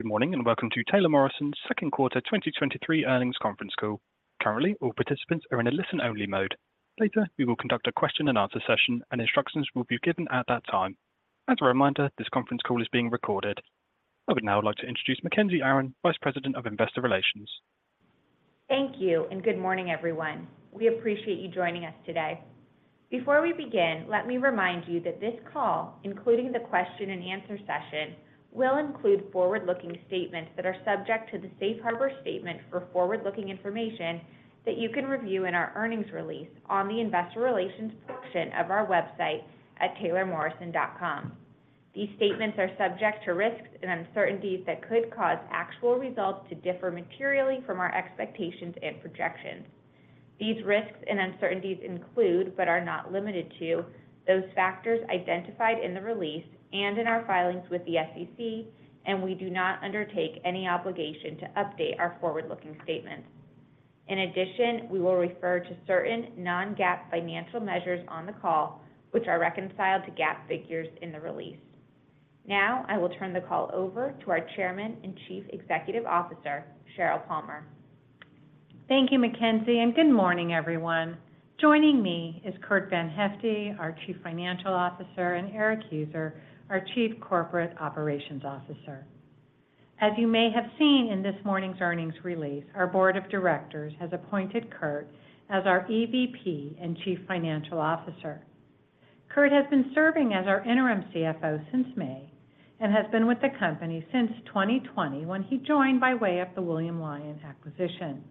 Good morning, welcome to Taylor Morrison's Second Quarter 2023 Earnings Conference Call. Currently, all participants are in a listen-only mode. Later, we will conduct a question-and-answer session, and instructions will be given at that time. As a reminder, this conference call is being recorded. I would now like to introduce Mackenzie Aron, Vice President of Investor Relations. Thank you. Good morning, everyone. We appreciate you joining us today. Before we begin, let me remind you that this call, including the question-and-answer session, will include forward-looking statements that are subject to the safe harbor statement for forward-looking information that you can review in our earnings release on the investor relations portion of our website at taylormorrison.com. These statements are subject to risks and uncertainties that could cause actual results to differ materially from our expectations and projections. These risks and uncertainties include, but are not limited to, those factors identified in the release and in our filings with the SEC. We do not undertake any obligation to update our forward-looking statements. In addition, we will refer to certain non-GAAP financial measures on the call, which are reconciled to GAAP figures in the release. Now, I will turn the call over to our Chairman and Chief Executive Officer, Sheryl Palmer. Thank you, Mackenzie, and good morning, everyone. Joining me is Curt VanHyfte, our Chief Financial Officer, and Erik Heuser, our Chief Corporate Operations Officer. As you may have seen in this morning's earnings release, our board of directors has appointed Curt as our EVP and Chief Financial Officer. Curt has been serving as our interim CFO since May and has been with the company since 2020, when he joined by way of the William Lyon acquisition.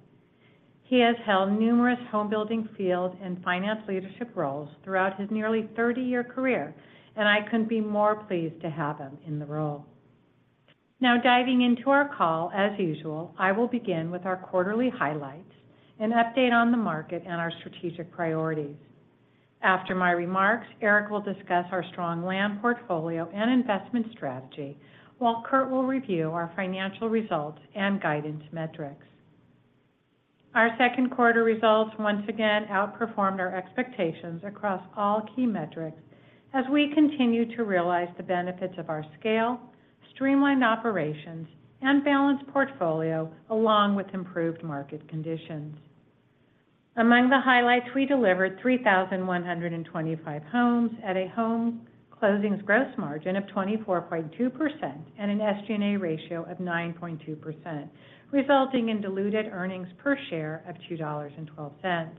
He has held numerous homebuilding field and finance leadership roles throughout his nearly 30-year career, and I couldn't be more pleased to have him in the role. Diving into our call, as usual, I will begin with our quarterly highlights, an update on the market, and our strategic priorities. After my remarks, Erik will discuss our strong land portfolio and investment strategy, while Curt will review our financial results and guidance metrics. Our second quarter results once again outperformed our expectations across all key metrics as we continue to realize the benefits of our scale, streamlined operations, and balanced portfolio, along with improved market conditions. Among the highlights, we delivered 3,125 homes at a home closings gross margin of 24.2% and an SG&A ratio of 9.2%, resulting in diluted earnings per share of $2.12.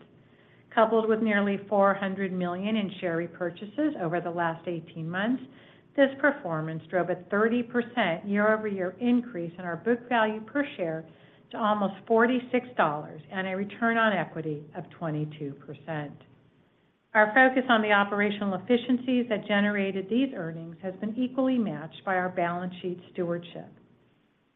Coupled with nearly $400 million in share repurchases over the last 18 months, this performance drove a 30% year-over-year increase in our book value per share to almost $46 and a return on equity of 22%. Our focus on the operational efficiencies that generated these earnings has been equally matched by our balance sheet stewardship.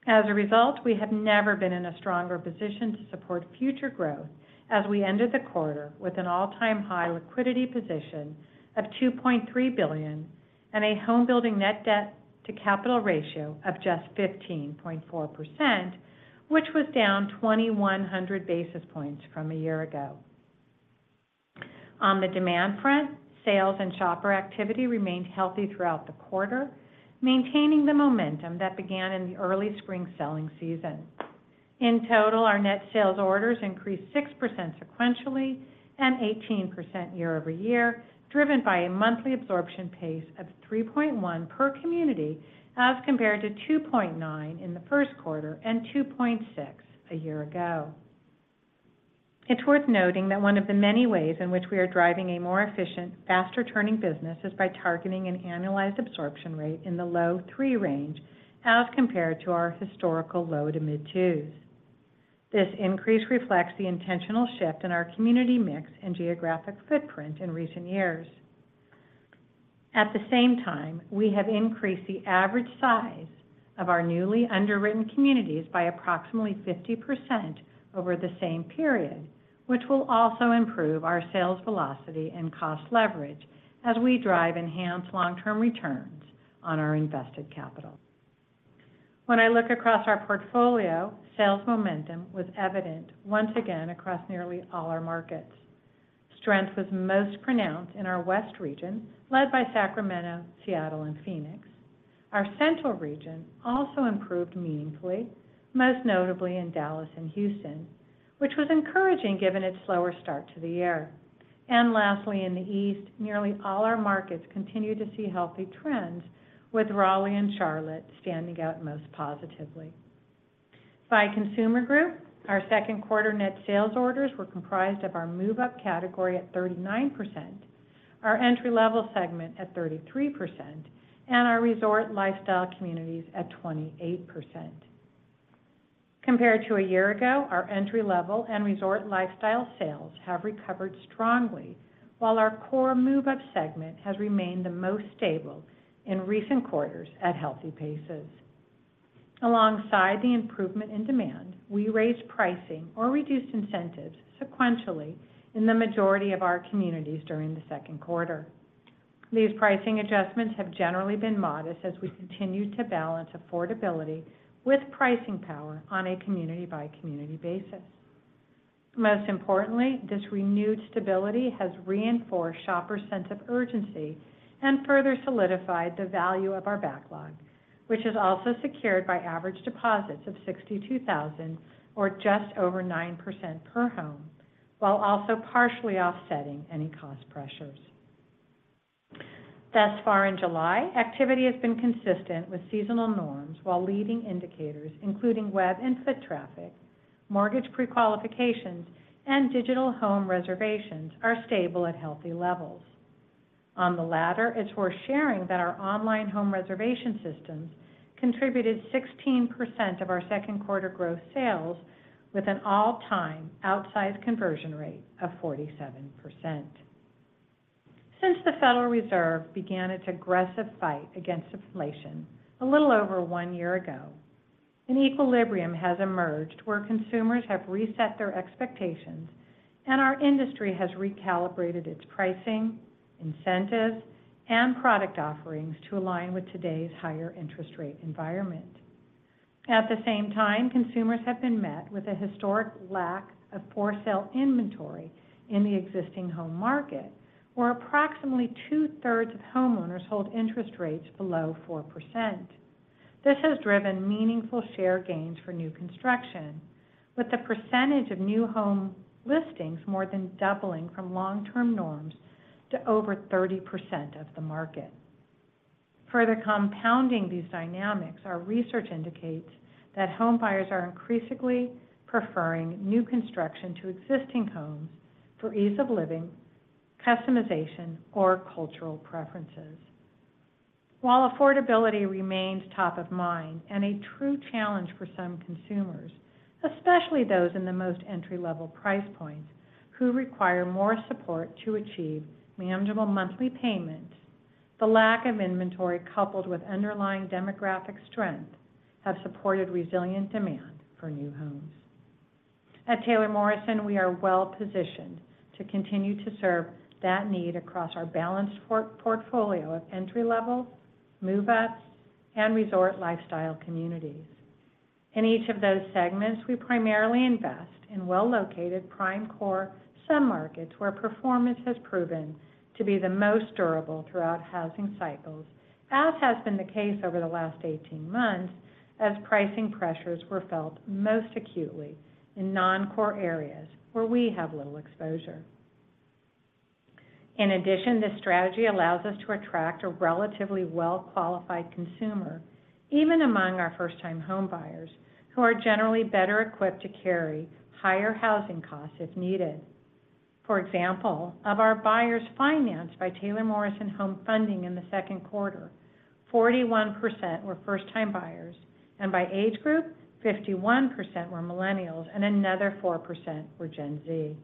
As a result, we have never been in a stronger position to support future growth as we ended the quarter with an all-time high liquidity position of $2.3 billion and a homebuilding net debt to capital ratio of just 15.4%, which was down 200 basis points from a year ago. On the demand front, sales and shopper activity remained healthy throughout the quarter, maintaining the momentum that began in the early spring selling season. In total, our net sales orders increased 6% sequentially and 18% year-over-year, driven by a monthly absorption pace of 3.1 per community, as compared to 2.9 in the first quarter and 2.6 a year ago. It's worth noting that one of the many ways in which we are driving a more efficient, faster-turning business is by targeting an annualized absorption rate in the low 3 range as compared to our historical low to mid-2s. This increase reflects the intentional shift in our community mix and geographic footprint in recent years. At the same time, we have increased the average size of our newly underwritten communities by approximately 50% over the same period, which will also improve our sales velocity and cost leverage as we drive enhanced long-term returns on our invested capital. When I look across our portfolio, sales momentum was evident once again across nearly all our markets. Strength was most pronounced in our West region, led by Sacramento, Seattle, and Phoenix. Our Central region also improved meaningfully, most notably in Dallas and Houston, which was encouraging given its slower start to the year. Lastly, in the East, nearly all our markets continued to see healthy trends, with Raleigh and Charlotte standing out most positively. By consumer group, our second quarter net sales orders were comprised of our move-up category at 39%, our entry-level segment at 33%, and our resort lifestyle communities at 28%. Compared to a year ago, our entry-level and resort lifestyle sales have recovered strongly, while our core move-up segment has remained the most stable in recent quarters at healthy paces. Alongside the improvement in demand, we raised pricing or reduced incentives sequentially in the majority of our communities during the second quarter. These pricing adjustments have generally been modest as we continue to balance affordability with pricing power on a community-by-community basis. Most importantly, this renewed stability has reinforced shoppers' sense of urgency and further solidified the value of our backlog, which is also secured by average deposits of $62,000 or just over 9% per home, while also partially offsetting any cost pressures. Thus far in July, activity has been consistent with seasonal norms, while leading indicators, including web and foot traffic, mortgage pre-qualifications, and digital home reservations, are stable at healthy levels. On the latter, it's worth sharing that our online home reservation systems contributed 16% of our second quarter growth sales with an all-time outsized conversion rate of 47%. Since the Federal Reserve began its aggressive fight against inflation a little over one year ago, an equilibrium has emerged where consumers have reset their expectations and our industry has recalibrated its pricing, incentives, and product offerings to align with today's higher interest rate environment. At the same time, consumers have been met with a historic lack of for-sale inventory in the existing home market, where approximately two-thirds of homeowners hold interest rates below 4%. This has driven meaningful share gains for new construction, with the percentage of new home listings more than doubling from long-term norms to over 30% of the market. Further compounding these dynamics, our research indicates that home buyers are increasingly preferring new construction to existing homes for ease of living, customization, or cultural preferences. While affordability remains top of mind and a true challenge for some consumers, especially those in the most entry-level price points who require more support to achieve manageable monthly payments, the lack of inventory, coupled with underlying demographic strength, have supported resilient demand for new homes. At Taylor Morrison, we are well-positioned to continue to serve that need across our balanced portfolio of entry-level, move-ups, and resort lifestyle communities. In each of those segments, we primarily invest in well-located, prime core submarkets, where performance has proven to be the most durable throughout housing cycles, as has been the case over the last 18 months, as pricing pressures were felt most acutely in non-core areas where we have little exposure. In addition, this strategy allows us to attract a relatively well-qualified consumer, even among our first-time homebuyers, who are generally better equipped to carry higher housing costs if needed. For example, of our buyers financed by Taylor Morrison Home Funding in the second quarter, 41% were first-time buyers, and by age group, 51% were millennials, and another 4% were Gen Z.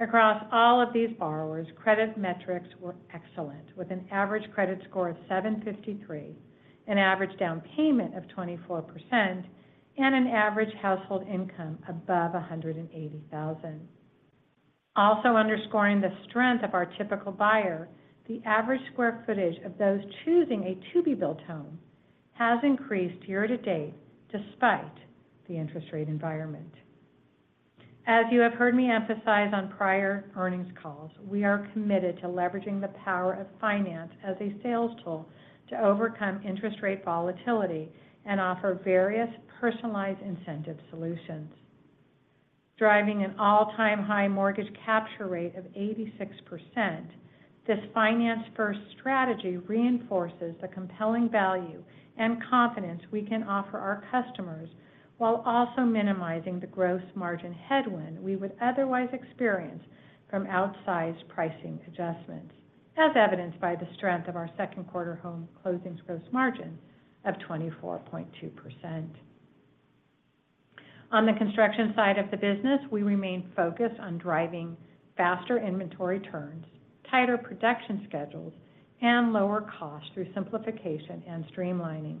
Across all of these borrowers, credit metrics were excellent, with an average credit score of 753, an average down payment of 24%, and an average household income above $180,000. Also underscoring the strength of our typical buyer, the average square footage of those choosing a to-be-built home has increased year to date despite the interest rate environment. As you have heard me emphasize on prior earnings calls, we are committed to leveraging the power of finance as a sales tool to overcome interest rate volatility and offer various personalized incentive solutions. Driving an all-time high mortgage capture rate of 86%, this finance-first strategy reinforces the compelling value and confidence we can offer our customers while also minimizing the gross margin headwind we would otherwise experience from outsized pricing adjustments, as evidenced by the strength of our second quarter home closings gross margin of 24.2%. On the construction side of the business, we remain focused on driving faster inventory turns, tighter production schedules, and lower costs through simplification and streamlining.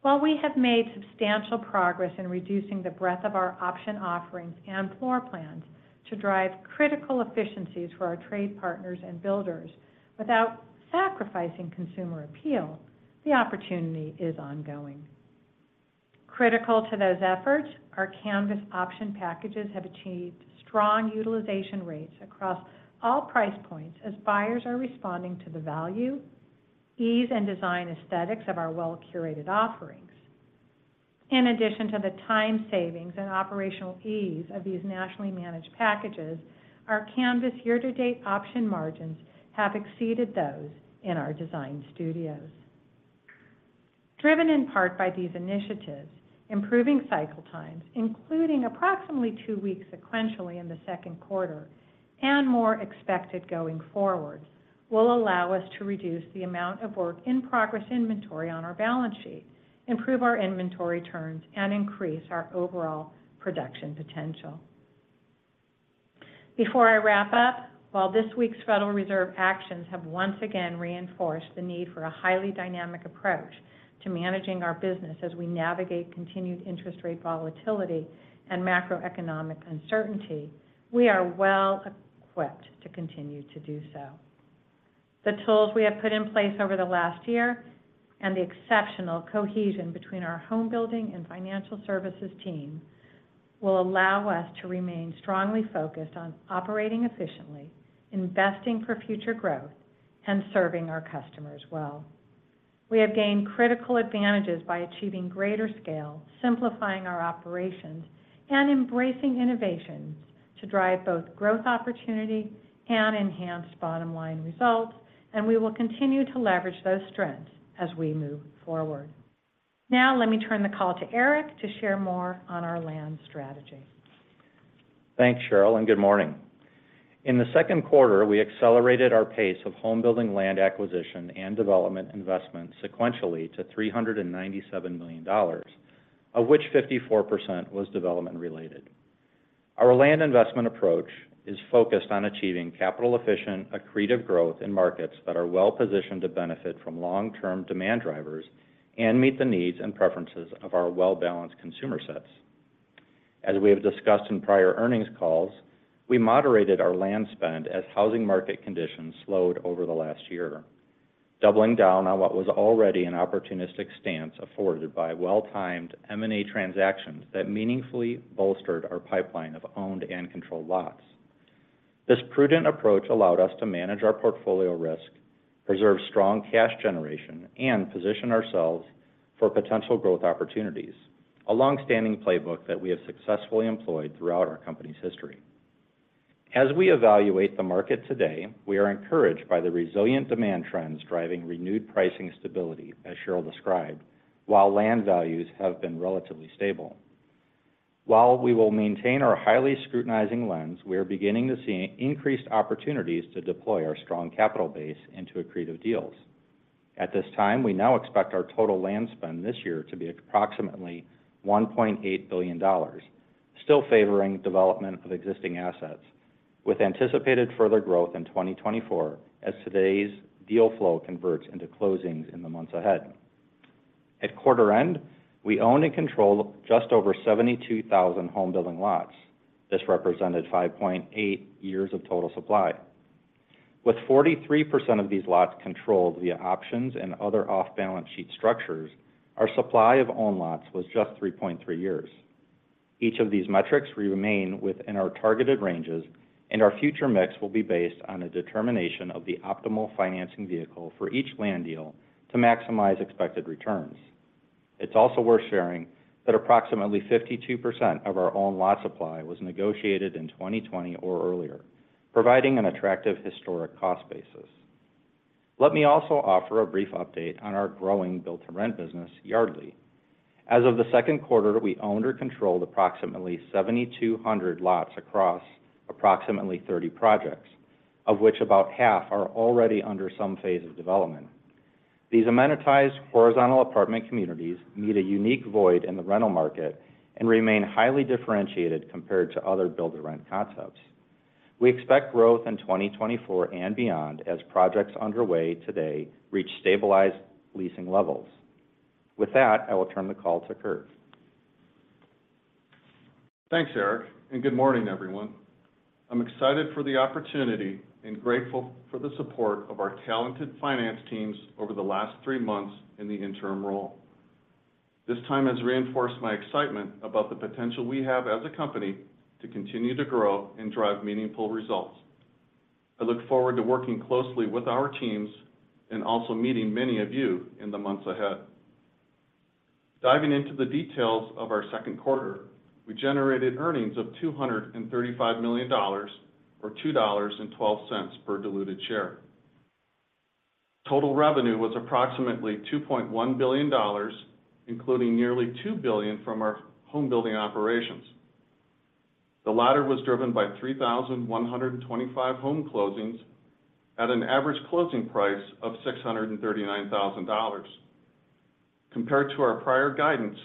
While we have made substantial progress in reducing the breadth of our option offerings and floor plans to drive critical efficiencies for our trade partners and builders without sacrificing consumer appeal, the opportunity is ongoing. Critical to those efforts, our Canvas option packages have achieved strong utilization rates across all price points as buyers are responding to the value, ease, and design aesthetics of our well-curated offerings. In addition to the time savings and operational ease of these nationally managed packages, our Canvas year-to-date option margins have exceeded those in our design studios. Driven in part by these initiatives, improving cycle times, including approximately 2 weeks sequentially in the second quarter and more expected going forward, will allow us to reduce the amount of work in progress inventory on our balance sheet, improve our inventory turns, and increase our overall production potential. Before I wrap up, while this week's Federal Reserve actions have once again reinforced the need for a highly dynamic approach to managing our business as we navigate continued interest rate volatility and macroeconomic uncertainty, we are well-equipped to continue to do so. The tools we have put in place over the last year and the exceptional cohesion between our homebuilding and financial services team will allow us to remain strongly focused on operating efficiently, investing for future growth, and serving our customers well. We have gained critical advantages by achieving greater scale, simplifying our operations, and embracing innovations to drive both growth opportunity and enhanced bottom line results. We will continue to leverage those strengths as we move forward. Now, let me turn the call to Erik to share more on our land strategy. Thanks, Sheryl, and good morning. In the second quarter, we accelerated our pace of homebuilding land acquisition and development investment sequentially to $397 million, of which 54% was development-related. Our land investment approach is focused on achieving capital-efficient, accretive growth in markets that are well-positioned to benefit from long-term demand drivers and meet the needs and preferences of our well-balanced consumer sets. As we have discussed in prior earnings calls, we moderated our land spend as housing market conditions slowed over the last year, doubling down on what was already an opportunistic stance afforded by well-timed M&A transactions that meaningfully bolstered our pipeline of owned and controlled lots. This prudent approach allowed us to manage our portfolio risk, preserve strong cash generation, and position ourselves for potential growth opportunities, a long-standing playbook that we have successfully employed throughout our company's history. As we evaluate the market today, we are encouraged by the resilient demand trends driving renewed pricing stability, as Sheryl described, while land values have been relatively stable. While we will maintain our highly scrutinizing lens, we are beginning to see increased opportunities to deploy our strong capital base into accretive deals. At this time, we now expect our total land spend this year to be approximately $1.8 billion, still favoring development of existing assets, with anticipated further growth in 2024 as today's deal flow converts into closings in the months ahead. At quarter end, we own and control just over 72,000 home building lots. This represented 5.8 years of total supply. With 43% of these lots controlled via options and other off-balance sheet structures, our supply of own lots was just 3.3 years. Each of these metrics remain within our targeted ranges. Our future mix will be based on a determination of the optimal financing vehicle for each land deal to maximize expected returns. It's also worth sharing that approximately 52% of our own lot supply was negotiated in 2020 or earlier, providing an attractive historic cost basis. Let me also offer a brief update on our growing build-to-rent business, Yardly. As of the second quarter, we owned or controlled approximately 7,200 lots across approximately 30 projects, of which about half are already under some phase of development. These amenitized horizontal apartment communities meet a unique void in the rental market and remain highly differentiated compared to other build-to-rent concepts. We expect growth in 2024 and beyond as projects underway today reach stabilized leasing levels. With that, I will turn the call to Curt. Thanks, Erik, good morning, everyone. I'm excited for the opportunity and grateful for the support of our talented finance teams over the last three months in the interim role. This time has reinforced my excitement about the potential we have as a company to continue to grow and drive meaningful results. I look forward to working closely with our teams and also meeting many of you in the months ahead. Diving into the details of our second quarter, we generated earnings of $235 million, or $2.12 per diluted share. Total revenue was approximately $2.1 billion, including nearly $2 billion from our homebuilding operations. The latter was driven by 3,125 home closings at an average closing price of $639,000. Compared to our prior guidance,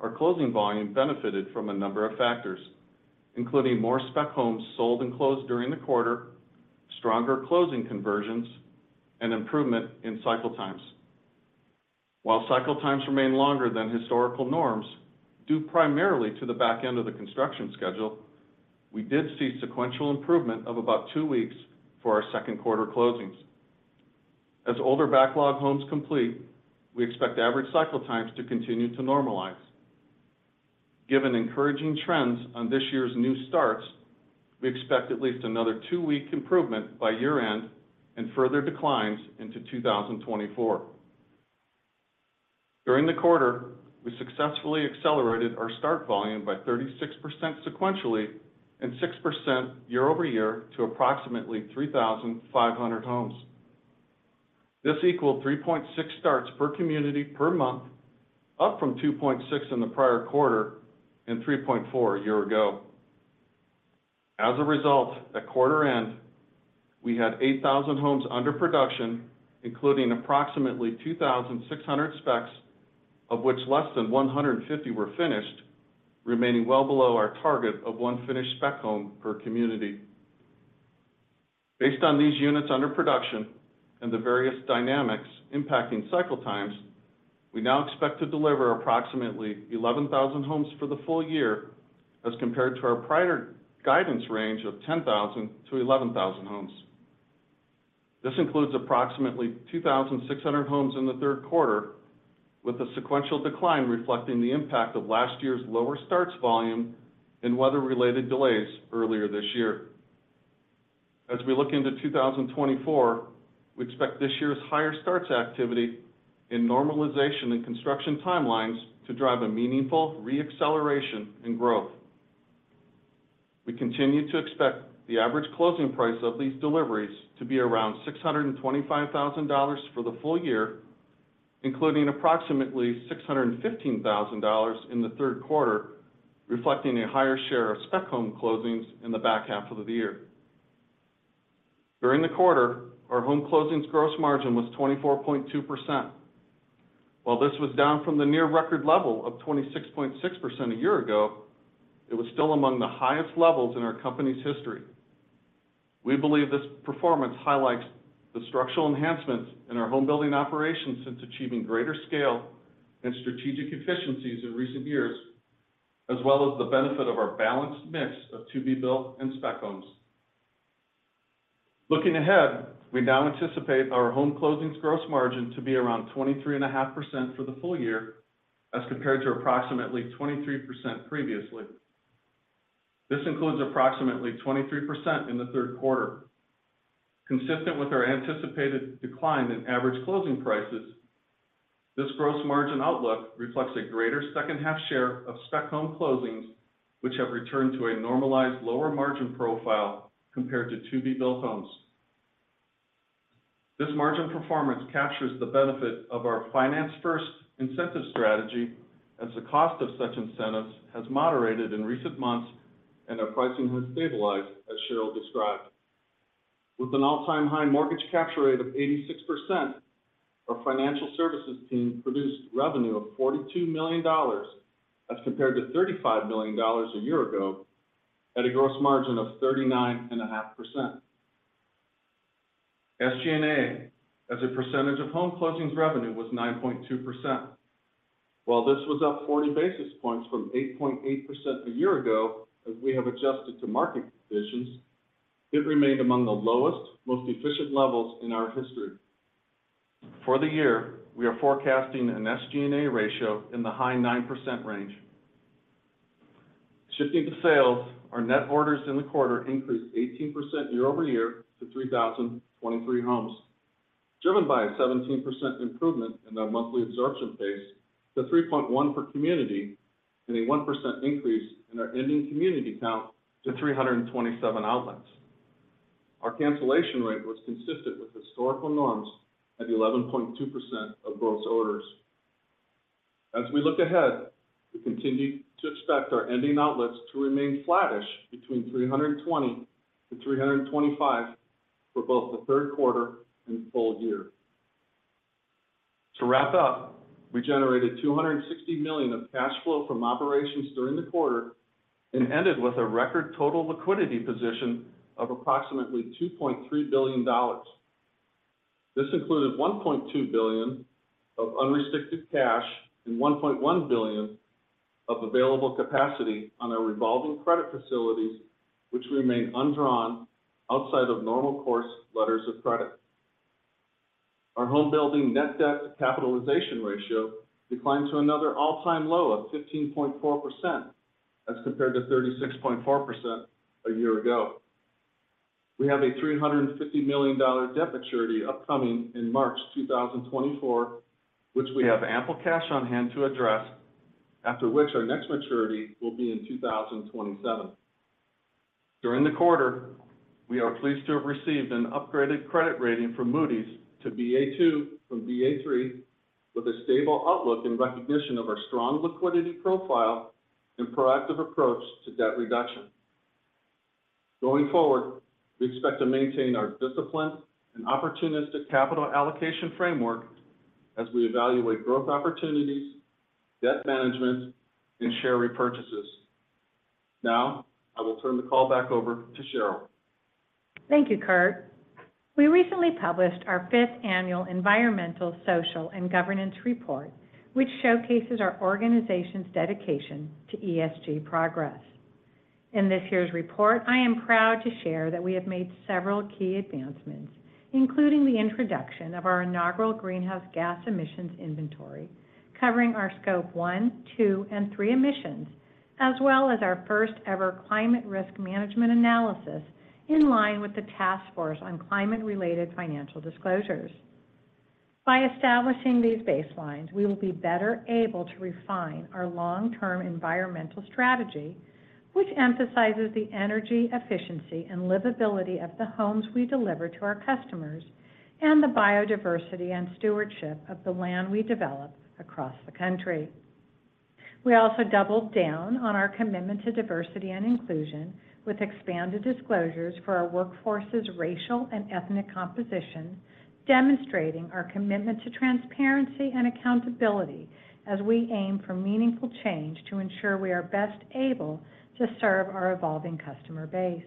our closing volume benefited from a number of factors, including more spec homes sold and closed during the quarter, stronger closing conversions, and improvement in cycle times. While cycle times remain longer than historical norms, due primarily to the back end of the construction schedule, we did see sequential improvement of about two weeks for our second quarter closings. As older backlog homes complete, we expect average cycle times to continue to normalize. Given encouraging trends on this year's new starts, we expect at least another two-week improvement by year-end and further declines into 2024. During the quarter, we successfully accelerated our start volume by 36% sequentially and 6% year-over-year to approximately 3,500 homes. This equaled 3.6 starts per community per month, up from 2.6 in the prior quarter and 3.4 a year ago. As a result, at quarter end, we had 8,000 homes under production, including approximately 2,600 specs, of which less than 150 were finished, remaining well below our target of 1 finished spec home per community. Based on these units under production and the various dynamics impacting cycle times, we now expect to deliver approximately 11,000 homes for the full year as compared to our prior guidance range of 10,000-11,000 homes. This includes approximately 2,600 homes in the third quarter, with a sequential decline reflecting the impact of last year's lower starts volume and weather-related delays earlier this year. As we look into 2024, we expect this year's higher starts activity and normalization in construction timelines to drive a meaningful re-acceleration in growth. We continue to expect the average closing price of these deliveries to be around $625,000 for the full year, including approximately $615,000 in the third quarter, reflecting a higher share of spec home closings in the back half of the year. During the quarter, our home closings gross margin was 24.2%. While this was down from the near record level of 26.6% a year ago, it was still among the highest levels in our company's history. We believe this performance highlights the structural enhancements in our home building operations since achieving greater scale and strategic efficiencies in recent years, as well as the benefit of our balanced mix of to-be-built and spec homes. Looking ahead, we now anticipate our home closings gross margin to be around 23.5% for the full year, as compared to approximately 23% previously. This includes approximately 23% in the 3rd quarter. Consistent with our anticipated decline in average closing prices, this gross margin outlook reflects a greater second half share of spec home closings, which have returned to a normalized lower margin profile compared to to-be-built homes. This margin performance captures the benefit of our finance-first incentive strategy, as the cost of such incentives has moderated in recent months and our pricing has stabilized, as Sheryl described. With an all-time high mortgage capture rate of 86%, our financial services team produced revenue of $42 million, as compared to $35 million a year ago, at a gross margin of 39.5%. SG&A, as a percentage of home closings revenue, was 9.2%. While this was up 40 basis points from 8.8% a year ago, as we have adjusted to market conditions, it remained among the lowest, most efficient levels in our history. For the year, we are forecasting an SG&A ratio in the high 9% range. Shifting to sales, our net orders in the quarter increased 18% year-over-year to 3,023 homes, driven by a 17% improvement in our monthly absorption base to 3.1 per community and a 1% increase in our ending community count to 327 outlets. Our cancellation rate was consistent with historical norms at 11.2% of gross orders. As we look ahead, we continue to expect our ending outlets to remain flattish between 320-325 for both the third quarter and full year. To wrap up, we generated $260 million of cash flow from operations during the quarter and ended with a record total liquidity position of approximately $2.3 billion. This included $1.2 billion of unrestricted cash and $1.1 billion of available capacity on our revolving credit facilities, which remain undrawn outside of normal course letters of credit. Our homebuilding net debt capitalization ratio declined to another all-time low of 15.4%, as compared to 36.4% a year ago. We have a $350 million debt maturity upcoming in March 2024, which we have ample cash on hand to address, after which our next maturity will be in 2027. During the quarter, we are pleased to have received an upgraded credit rating from Moody's to Ba2 from Ba3, with a stable outlook in recognition of our strong liquidity profile and proactive approach to debt reduction. Going forward, we expect to maintain our disciplined and opportunistic capital allocation framework as we evaluate growth opportunities, debt management, and share repurchases. Now, I will turn the call back over to Sheryl. Thank you, Curt. We recently published our fifth annual Environmental, Social, and Governance report, which showcases our organization's dedication to ESG progress. In this year's report, I am proud to share that we have made several key advancements, including the introduction of our inaugural greenhouse gas emissions inventory, covering our Scope 1, 2, and 3 emissions, as well as our first-ever climate risk management analysis in line with the Task Force on Climate-related Financial Disclosures. By establishing these baselines, we will be better able to refine our long-term environmental strategy, which emphasizes the energy efficiency and livability of the homes we deliver to our customers, and the biodiversity and stewardship of the land we develop across the country. We also doubled down on our commitment to diversity and inclusion with expanded disclosures for our workforce's racial and ethnic composition, demonstrating our commitment to transparency and accountability as we aim for meaningful change to ensure we are best able to serve our evolving customer base....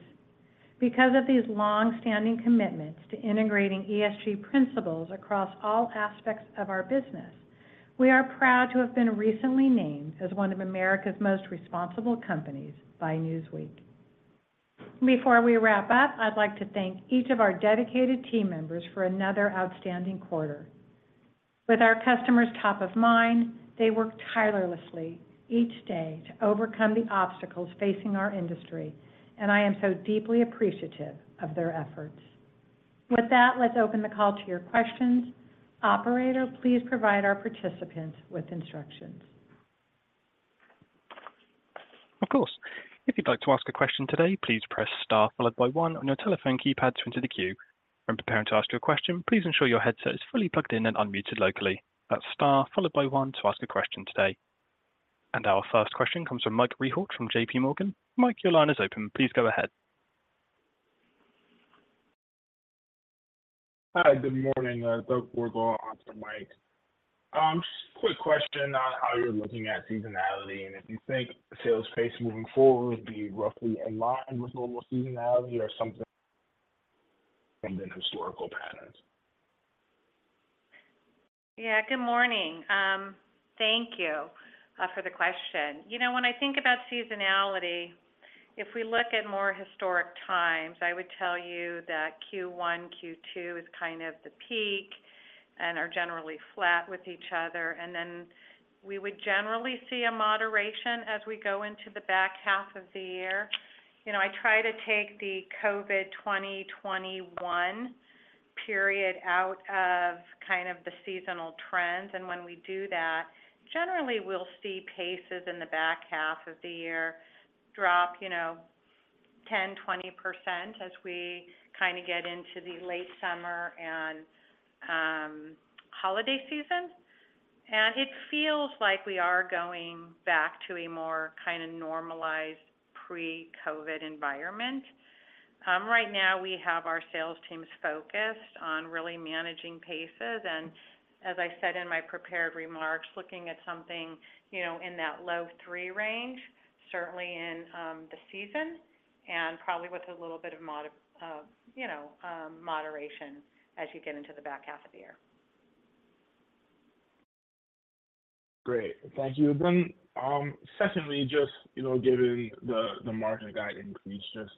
Because of these long-standing commitments to integrating ESG principles across all aspects of our business, we are proud to have been recently named as one of America's most responsible companies by Newsweek. Before we wrap up, I'd like to thank each of our dedicated team members for another outstanding quarter. With our customers top of mind, they work tirelessly each day to overcome the obstacles facing our industry, and I am so deeply appreciative of their efforts. With that, let's open the call to your questions. Operator, please provide our participants with instructions. Of course. If you'd like to ask a question today, please press Star followed by One on your telephone keypad to enter the queue. When preparing to ask your question, please ensure your headset is fully plugged in and unmuted locally. That's Star followed by One to ask a question today. Our first question comes from Mike Rehaut from J.P. Morgan. Mike, your line is open. Please go ahead. Hi, good morning. Doug Wardlaw, also Mike. Just quick question on how you're looking at seasonality, and if you think sales pace moving forward would be roughly in line with normal seasonality or something from the historical patterns? Yeah, good morning. Thank you for the question. You know, when I think about seasonality, if we look at more historic times, I would tell you that Q1, Q2 is kind of the peak and are generally flat with each other. Then we would generally see a moderation as we go into the back half of the year. You know, I try to take the COVID 2021 period out of kind of the seasonal trends, and when we do that, generally we'll see paces in the back half of the year drop, you know, 10%, 20% as we kind of get into the late summer and holiday season. It feels like we are going back to a more kinda normalized pre-COVID environment. Right now, we have our sales teams focused on really managing paces, and as I said in my prepared remarks, looking at something, you know, in that low 3 range, certainly in the season, and probably with a little bit of mod, you know, moderation as you get into the back half of the year. Great. Thank you. Secondly, just, you know, given the margin guide increase, just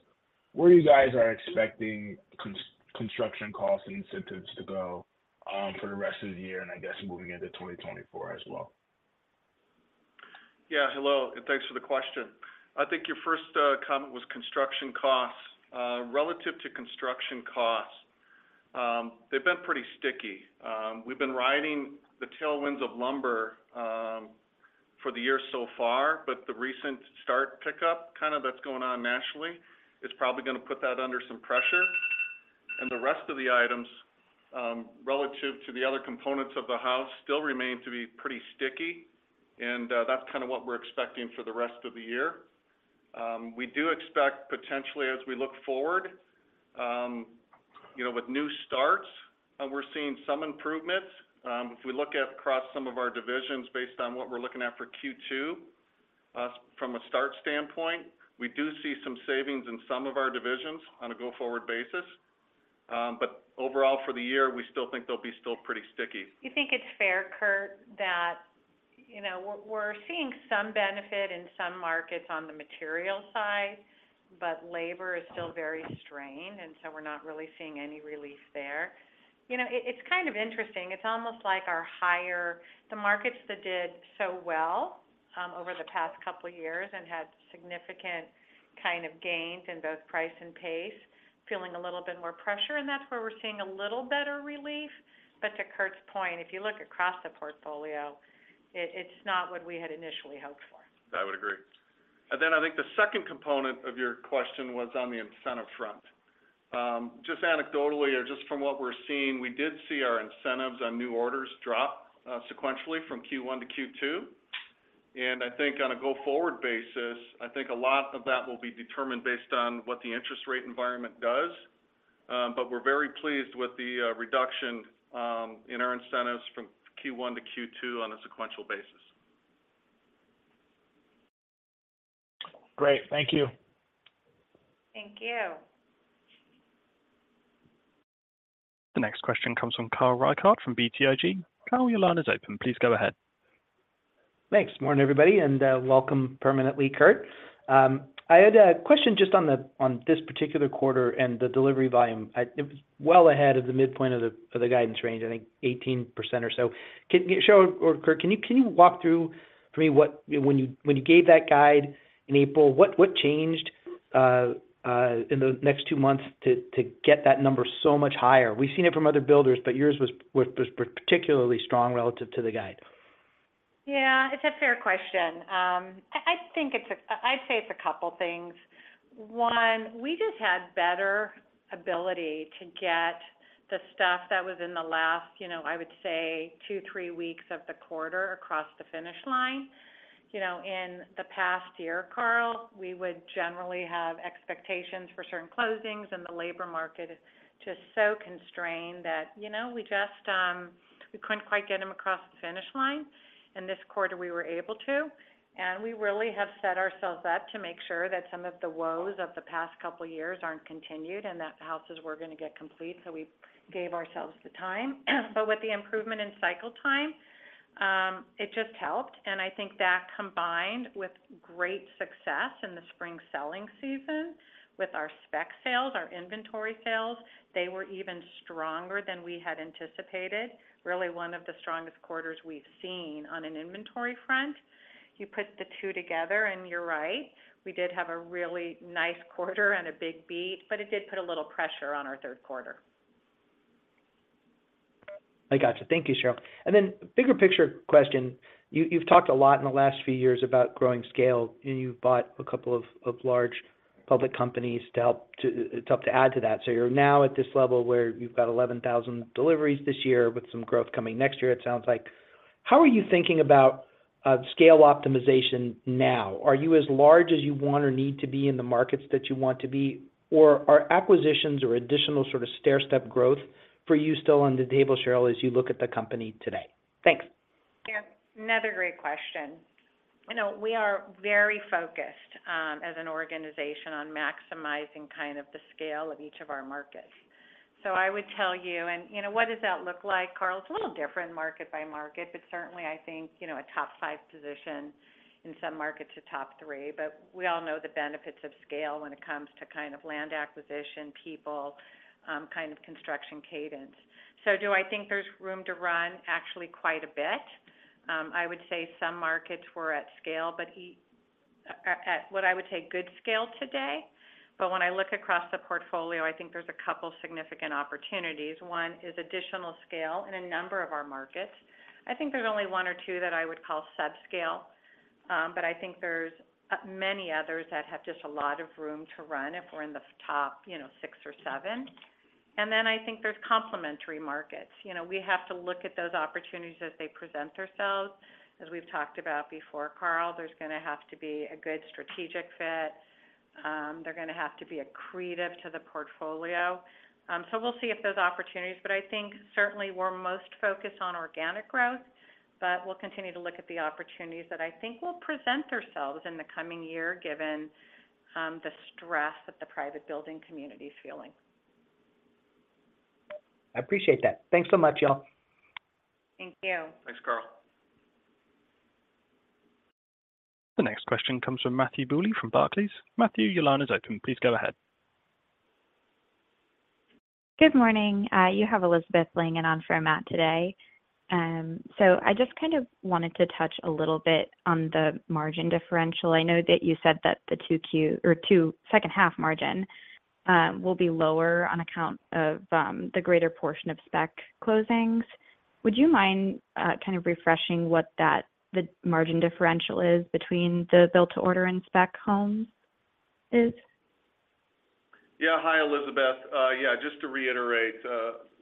where you guys are expecting construction costs and incentives to go for the rest of the year and I guess moving into 2024 as well? Yeah, hello, and thanks for the question. I think your first comment was construction costs. Relative to construction costs, they've been pretty sticky. We've been riding the tailwinds of lumber for the year so far, but the recent start pickup, kind of that's going on nationally, is probably gonna put that under some pressure. The rest of the items, relative to the other components of the house, still remain to be pretty sticky, and that's kind of what we're expecting for the rest of the year. We do expect, potentially as we look forward, you know, with new starts, we're seeing some improvements. If we look at across some of our divisions based on what we're looking at for Q2, from a start standpoint, we do see some savings in some of our divisions on a go-forward basis. Overall, for the year, we still think they'll be still pretty sticky. You think it's fair, Curt, that, you know, we're seeing some benefit in some markets on the material side, but labor is still very strained, and so we're not really seeing any relief there. You know, it's kind of interesting. It's almost like the markets that did so well over the past couple of years and had significant kind of gains in both price and pace, feeling a little bit more pressure, and that's where we're seeing a little better relief. To Curt's point, if you look across the portfolio, it's not what we had initially hoped for. I would agree. Then I think the second component of your question was on the incentive front. Just anecdotally, or just from what we're seeing, we did see our incentives on new orders drop sequentially from Q1 to Q2. I think on a go-forward basis, I think a lot of that will be determined based on what the interest rate environment does. We're very pleased with the reduction in our incentives from Q1 to Q2 on a sequential basis. Great. Thank you. Thank you. The next question comes from Carl Reichardt, from BTIG. Carl, your line is open. Please go ahead. Thanks. Morning, everybody, welcome permanently, Curt. I had a question just on this particular quarter and the delivery volume. It was well ahead of the midpoint of the guidance range, I think 18% or so. Sheryl or Curt, can you walk through for me, what? When you gave that guide in April, what changed in the next two months to get that number so much higher? We've seen it from other builders, but yours was particularly strong relative to the guide. Yeah, it's a fair question. I think it's a couple things. One, we just had better ability to get the stuff that was in the last, you know, I would say two, three weeks of the quarter across the finish line. You know, in the past year, Carl, we would generally have expectations for certain closings, and the labor market is just so constrained that, you know, we just, we couldn't quite get them across the finish line. In this quarter, we were able to, and we really have set ourselves up to make sure that some of the woes of the past couple of years aren't continued, and that the houses were going to get complete, so we gave ourselves the time. With the improvement in cycle time, it just helped. I think that combined with great success in the spring selling season with our spec sales, our inventory sales, they were even stronger than we had anticipated. Really one of the strongest quarters we've seen on an inventory front. You put the two together, and you're right, we did have a really nice quarter and a big beat, but it did put a little pressure on our third quarter. I got you. Thank you, Sheryl. Bigger picture question. You've talked a lot in the last few years about growing scale, and you've bought a couple of large public companies to help to add to that. You're now at this level where you've got 11,000 deliveries this year with some growth coming next year, it sounds like. How are you thinking about scale optimization now? Are you as large as you want or need to be in the markets that you want to be? Or are acquisitions or additional sort of stairstep growth for you still on the table, Sheryl, as you look at the company today? Thanks. Yeah, another great question. You know, we are very focused as an organization on maximizing kind of the scale of each of our markets. I would tell you. You know, what does that look like, Carl? It's a little different market by market, but certainly I think, you know, a top five position in some markets to top three. We all know the benefits of scale when it comes to kind of land acquisition, people, kind of construction cadence. Do I think there's room to run? Actually quite a bit. I would say some markets were at scale, but at what I would say, good scale today. When I look across the portfolio, I think there's a couple significant opportunities. One is additional scale in a number of our markets. I think there's only one or two that I would call subscale, but I think there's many others that have just a lot of room to run if we're in the top, you know, six or seven. I think there's complementary markets. You know, we have to look at those opportunities as they present themselves. As we've talked about before, Carl, there's going to have to be a good strategic fit. They're going to have to be accretive to the portfolio. We'll see if those opportunities, but I think certainly we're most focused on organic growth, but we'll continue to look at the opportunities that I think will present themselves in the coming year, given the stress that the private building community is feeling. I appreciate that. Thanks so much, y'all. Thank you. Thanks, Carl. The next question comes from Matthew Bouley, from Barclays. Matthew, your line is open. Please go ahead. Good morning, you have Elizabeth Langan on for Matt today. I just kind of wanted to touch a little bit on the margin differential. I know that you said that the 2Q or 2 second half margin will be lower on account of the greater portion of spec closings. Would you mind kind of refreshing the margin differential between the build-to-order and spec homes? Yeah. Hi, Elizabeth. Yeah, just to reiterate,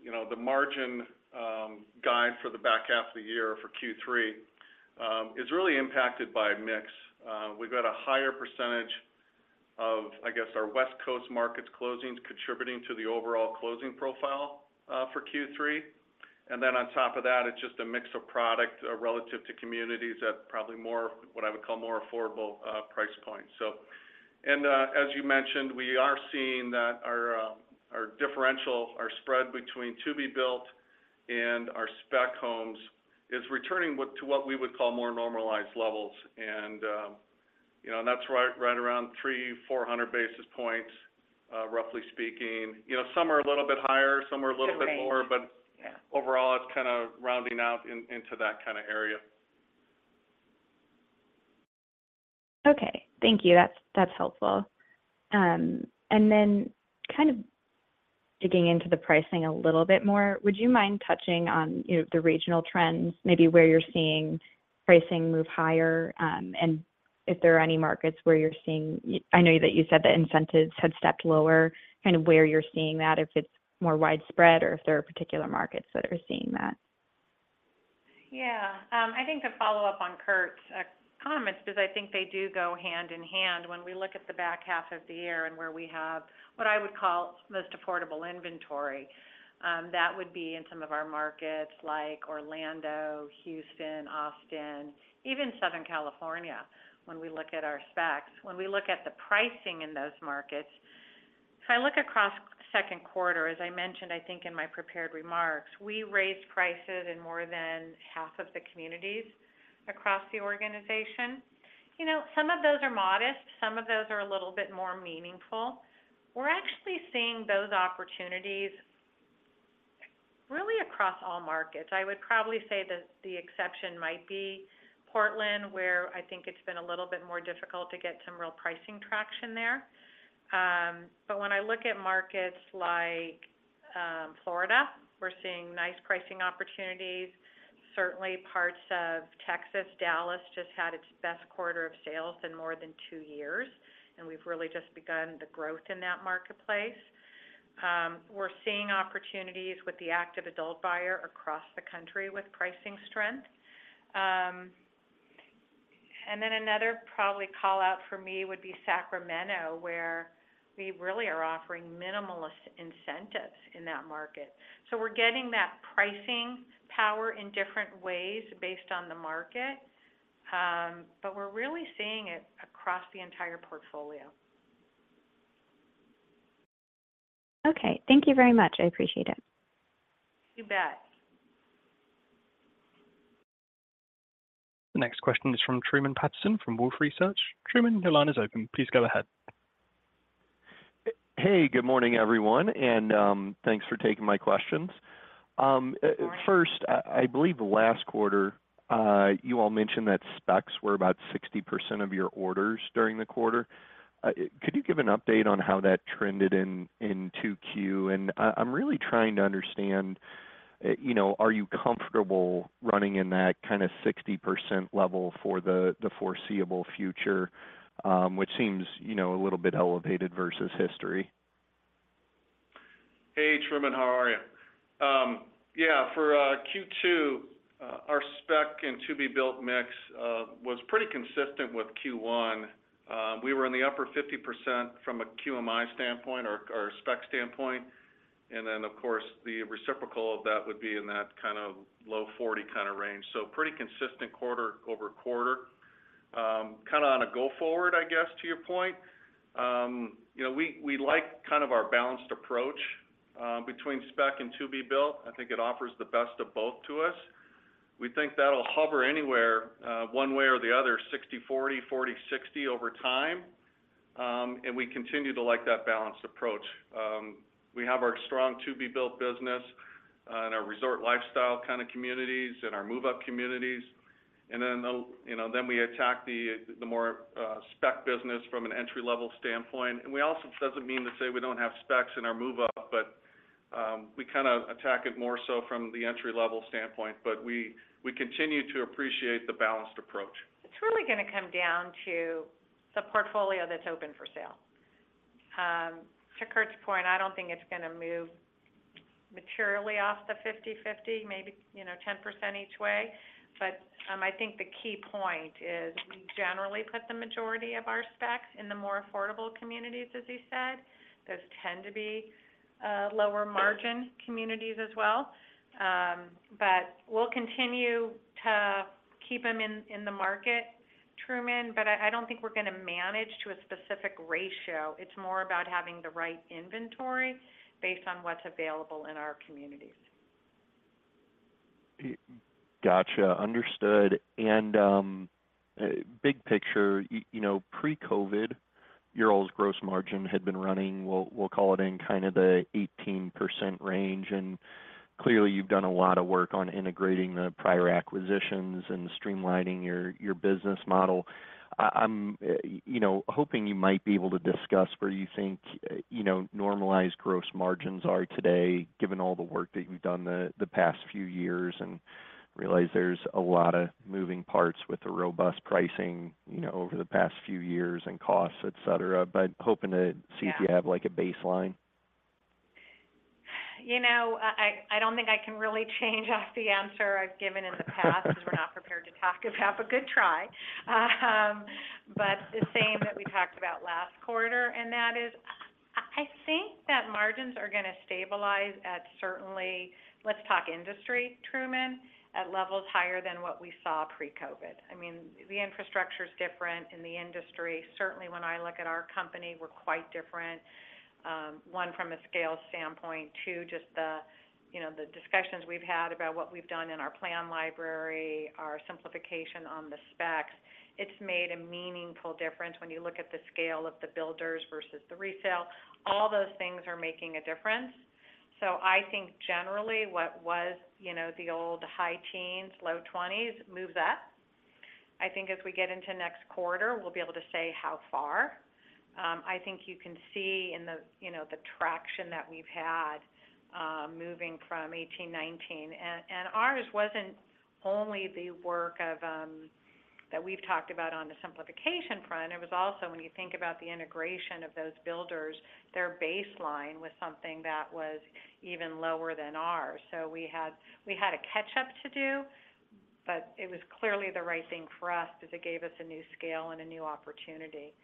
you know, the margin guide for the back half of the year for Q3 is really impacted by mix. We've got a higher % of, I guess, our West Coast markets closings contributing to the overall closing profile for Q3. Then on top of that, it's just a mix of product relative to communities at probably more, what I would call more affordable price points. As you mentioned, we are seeing that our differential, our spread between to be built and our spec homes is returning what, to what we would call more normalized levels. You know, that's right around 300-400 basis points, roughly speaking. You know, some are a little bit higher, some are a little bit lower. The range. But- Yeah... overall, it's kind of rounding out into that kind of area. Okay. Thank you. That's helpful. Then kind of digging into the pricing a little bit more, would you mind touching on, you know, the regional trends, maybe where you're seeing pricing move higher, and if there are any markets where you're seeing I know that you said that incentives had stepped lower, kind of where you're seeing that, if it's more widespread or if there are particular markets that are seeing that? I think to follow up on Curt's comments, because I think they do go hand in hand. When we look at the back half of the year and where we have, what I would call most affordable inventory, that would be in some of our markets like Orlando, Houston, Austin, even Southern California, when we look at our specs. When we look at the pricing in those markets, if I look across 2nd quarter, as I mentioned, I think in my prepared remarks, we raised prices in more than half of the communities across the organization. You know, some of those are modest, some of those are a little bit more meaningful. We're actually seeing those opportunities really across all markets. I would probably say that the exception might be Portland, where I think it's been a little bit more difficult to get some real pricing traction there. When I look at markets like Florida, we're seeing nice pricing opportunities. Certainly parts of Texas, Dallas, just had its best quarter of sales in more than 2 years, and we've really just begun the growth in that marketplace. We're seeing opportunities with the active adult buyer across the country with pricing strength. Another probably call out for me would be Sacramento, where we really are offering minimalist incentives in that market. We're getting that pricing power in different ways based on the market, we're really seeing it across the entire portfolio. Okay, thank you very much. I appreciate it. You bet. The next question is from Truman Patterson from Wolfe Research. Truman, your line is open. Please go ahead. Hey, good morning, everyone, and thanks for taking my questions. First, I believe last quarter, you all mentioned that specs were about 60% of your orders during the quarter. Could you give an update on how that trended in 2Q? I'm really trying to understand, you know, are you comfortable running in that kind of 60% level for the foreseeable future, which seems, you know, a little bit elevated versus history? Hey, Truman Patterson, how are you? Yeah, for Q2, our spec and to-be-built mix was pretty consistent with Q1. We were in the upper 50% from a QMI standpoint or a spec standpoint, and then, of course, the reciprocal of that would be in that kind of low 40% kind of range. Pretty consistent quarter-over-quarter. Kind of on a go forward, I guess, to your point, you know, we like kind of our balanced approach between spec and to-be-built. I think it offers the best of both to us. We think that'll hover anywhere, one way or the other, 60/40/60 over time. We continue to like that balanced approach. We have our strong to-be-built business and our resort lifestyle kind of communities and our move-up communities. Then, you know, then we attack the more spec business from an entry-level standpoint. We also doesn't mean to say we don't have specs in our move-up, but we kind of attack it more so from the entry-level standpoint, but we continue to appreciate the balanced approach. It's really going to come down to the portfolio that's open for sale. To Curt's point, I don't think it's going to move materially off the 50/50, maybe, you know, 10% each way. I think the key point is we generally put the majority of our specs in the more affordable communities, as he said. Those tend to be lower margin communities as well. We'll continue to keep them in the market, Truman, but I don't think we're going to manage to a specific ratio. It's more about having the right inventory based on what's available in our communities. Got you. Understood. Big picture, you know, pre-COVID, your all's gross margin had been running, we'll call it in kind of the 18% range, and clearly, you've done a lot of work on integrating the prior acquisitions and streamlining your business model. I'm, you know, hoping you might be able to discuss where you think, you know, normalized gross margins are today, given all the work that you've done the past few years, and realize there's a lot of moving parts with the robust pricing, you know, over the past few years and costs, et cetera. Yeah... see if you have, like, a baseline. You know, I don't think I can really change off the answer I've given in the past because we're not prepared to talk about a good try. The same that we talked about last quarter. That is, I think that margins are going to stabilize at certainly, let's talk industry, Truman, at levels higher than what we saw pre-COVID. I mean, the infrastructure is different in the industry. Certainly when I look at our company, we're quite different, one, from a scale standpoint, two, just the, you know, discussions we've had about what we've done in our plan library, our simplification on the specs. It's made a meaningful difference when you look at the scale of the builders versus the resale. All those things are making a difference. I think generally what was, you know, the old high teens, low 20s, moves up. I think as we get into next quarter, we'll be able to say how far. I think you can see in the, you know, the traction that we've had, moving from 18, 19. Ours wasn't only the work of that we've talked about on the simplification front, it was also, when you think about the integration of those builders, their baseline was something that was even lower than ours. We had a catch up to do, but it was clearly the right thing for us because it gave us a new scale and a new opportunity.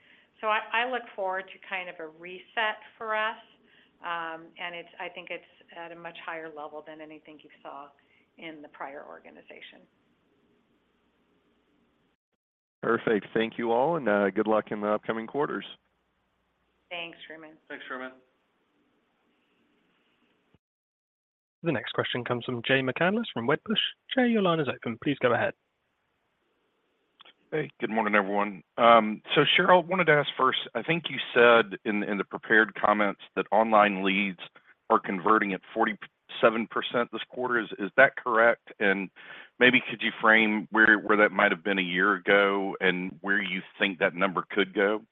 I look forward to kind of a reset for us, and I think it's at a much higher level than anything you saw in the prior organization. Perfect. Thank you all. Good luck in the upcoming quarters. Thanks, Truman. Thanks, Truman. The next question comes from Jay McCanless, from Wedbush. Jay, your line is open. Please go ahead. Hey, good morning, everyone. Sheryl, I wanted to ask first, I think you said in the, in the prepared comments that online leads are converting at 47% this quarter. Is that correct? Maybe could you frame where that might have been a year ago and where you think that number could go?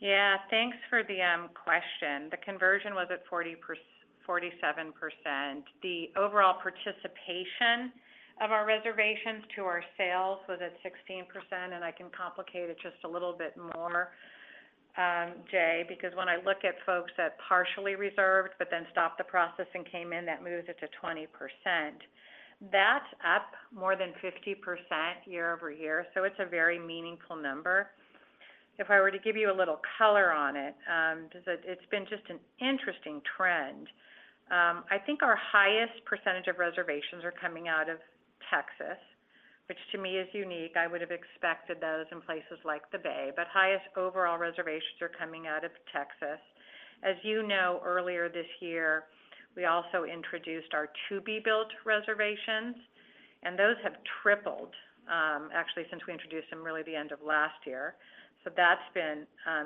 Yeah, thanks for the question. The conversion was at 47%. The overall participation of our reservations to our sales was at 16%. I can complicate it just a little bit more, Jay, because when I look at folks that partially reserved but then stopped the process and came in, that moves it to 20%. That's up more than 50% year-over-year, so it's a very meaningful number. If I were to give you a little color on it, just that it's been just an interesting trend. I think our highest percentage of reservations are coming out of Texas, which to me is unique. I would have expected those in places like the Bay, highest overall reservations are coming out of Texas. As you know, earlier this year, we also introduced our to-be-built reservations, and those have tripled, actually since we introduced them, really the end of last year. That's been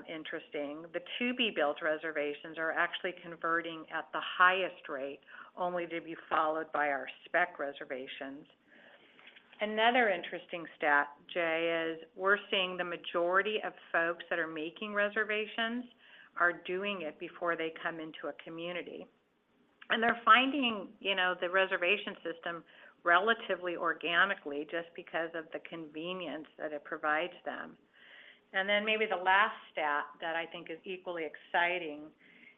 interesting. The to-be-built reservations are actually converting at the highest rate, only to be followed by our spec reservations. Another interesting stat, Jay, is we're seeing the majority of folks that are making reservations are doing it before they come into a community. They're finding, you know, the reservation system relatively organically just because of the convenience that it provides them. Maybe the last stat that I think is equally exciting,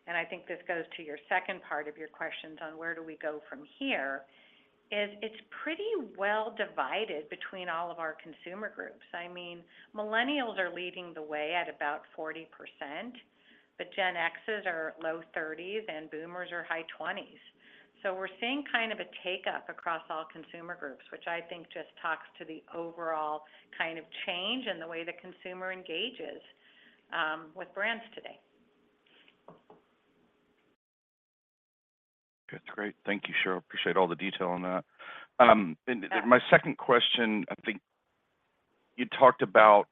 and I think this goes to your second part of your questions on where do we go from here, is it's pretty well divided between all of our consumer groups. I mean, millennials are leading the way at about 40%, but Gen X are low 30s, and Boomers are high 20s. We're seeing kind of a take up across all consumer groups, which I think just talks to the overall kind of change in the way the consumer engages with brands today. That's great. Thank you, Sheryl. Appreciate all the detail on that. My second question, I think you talked about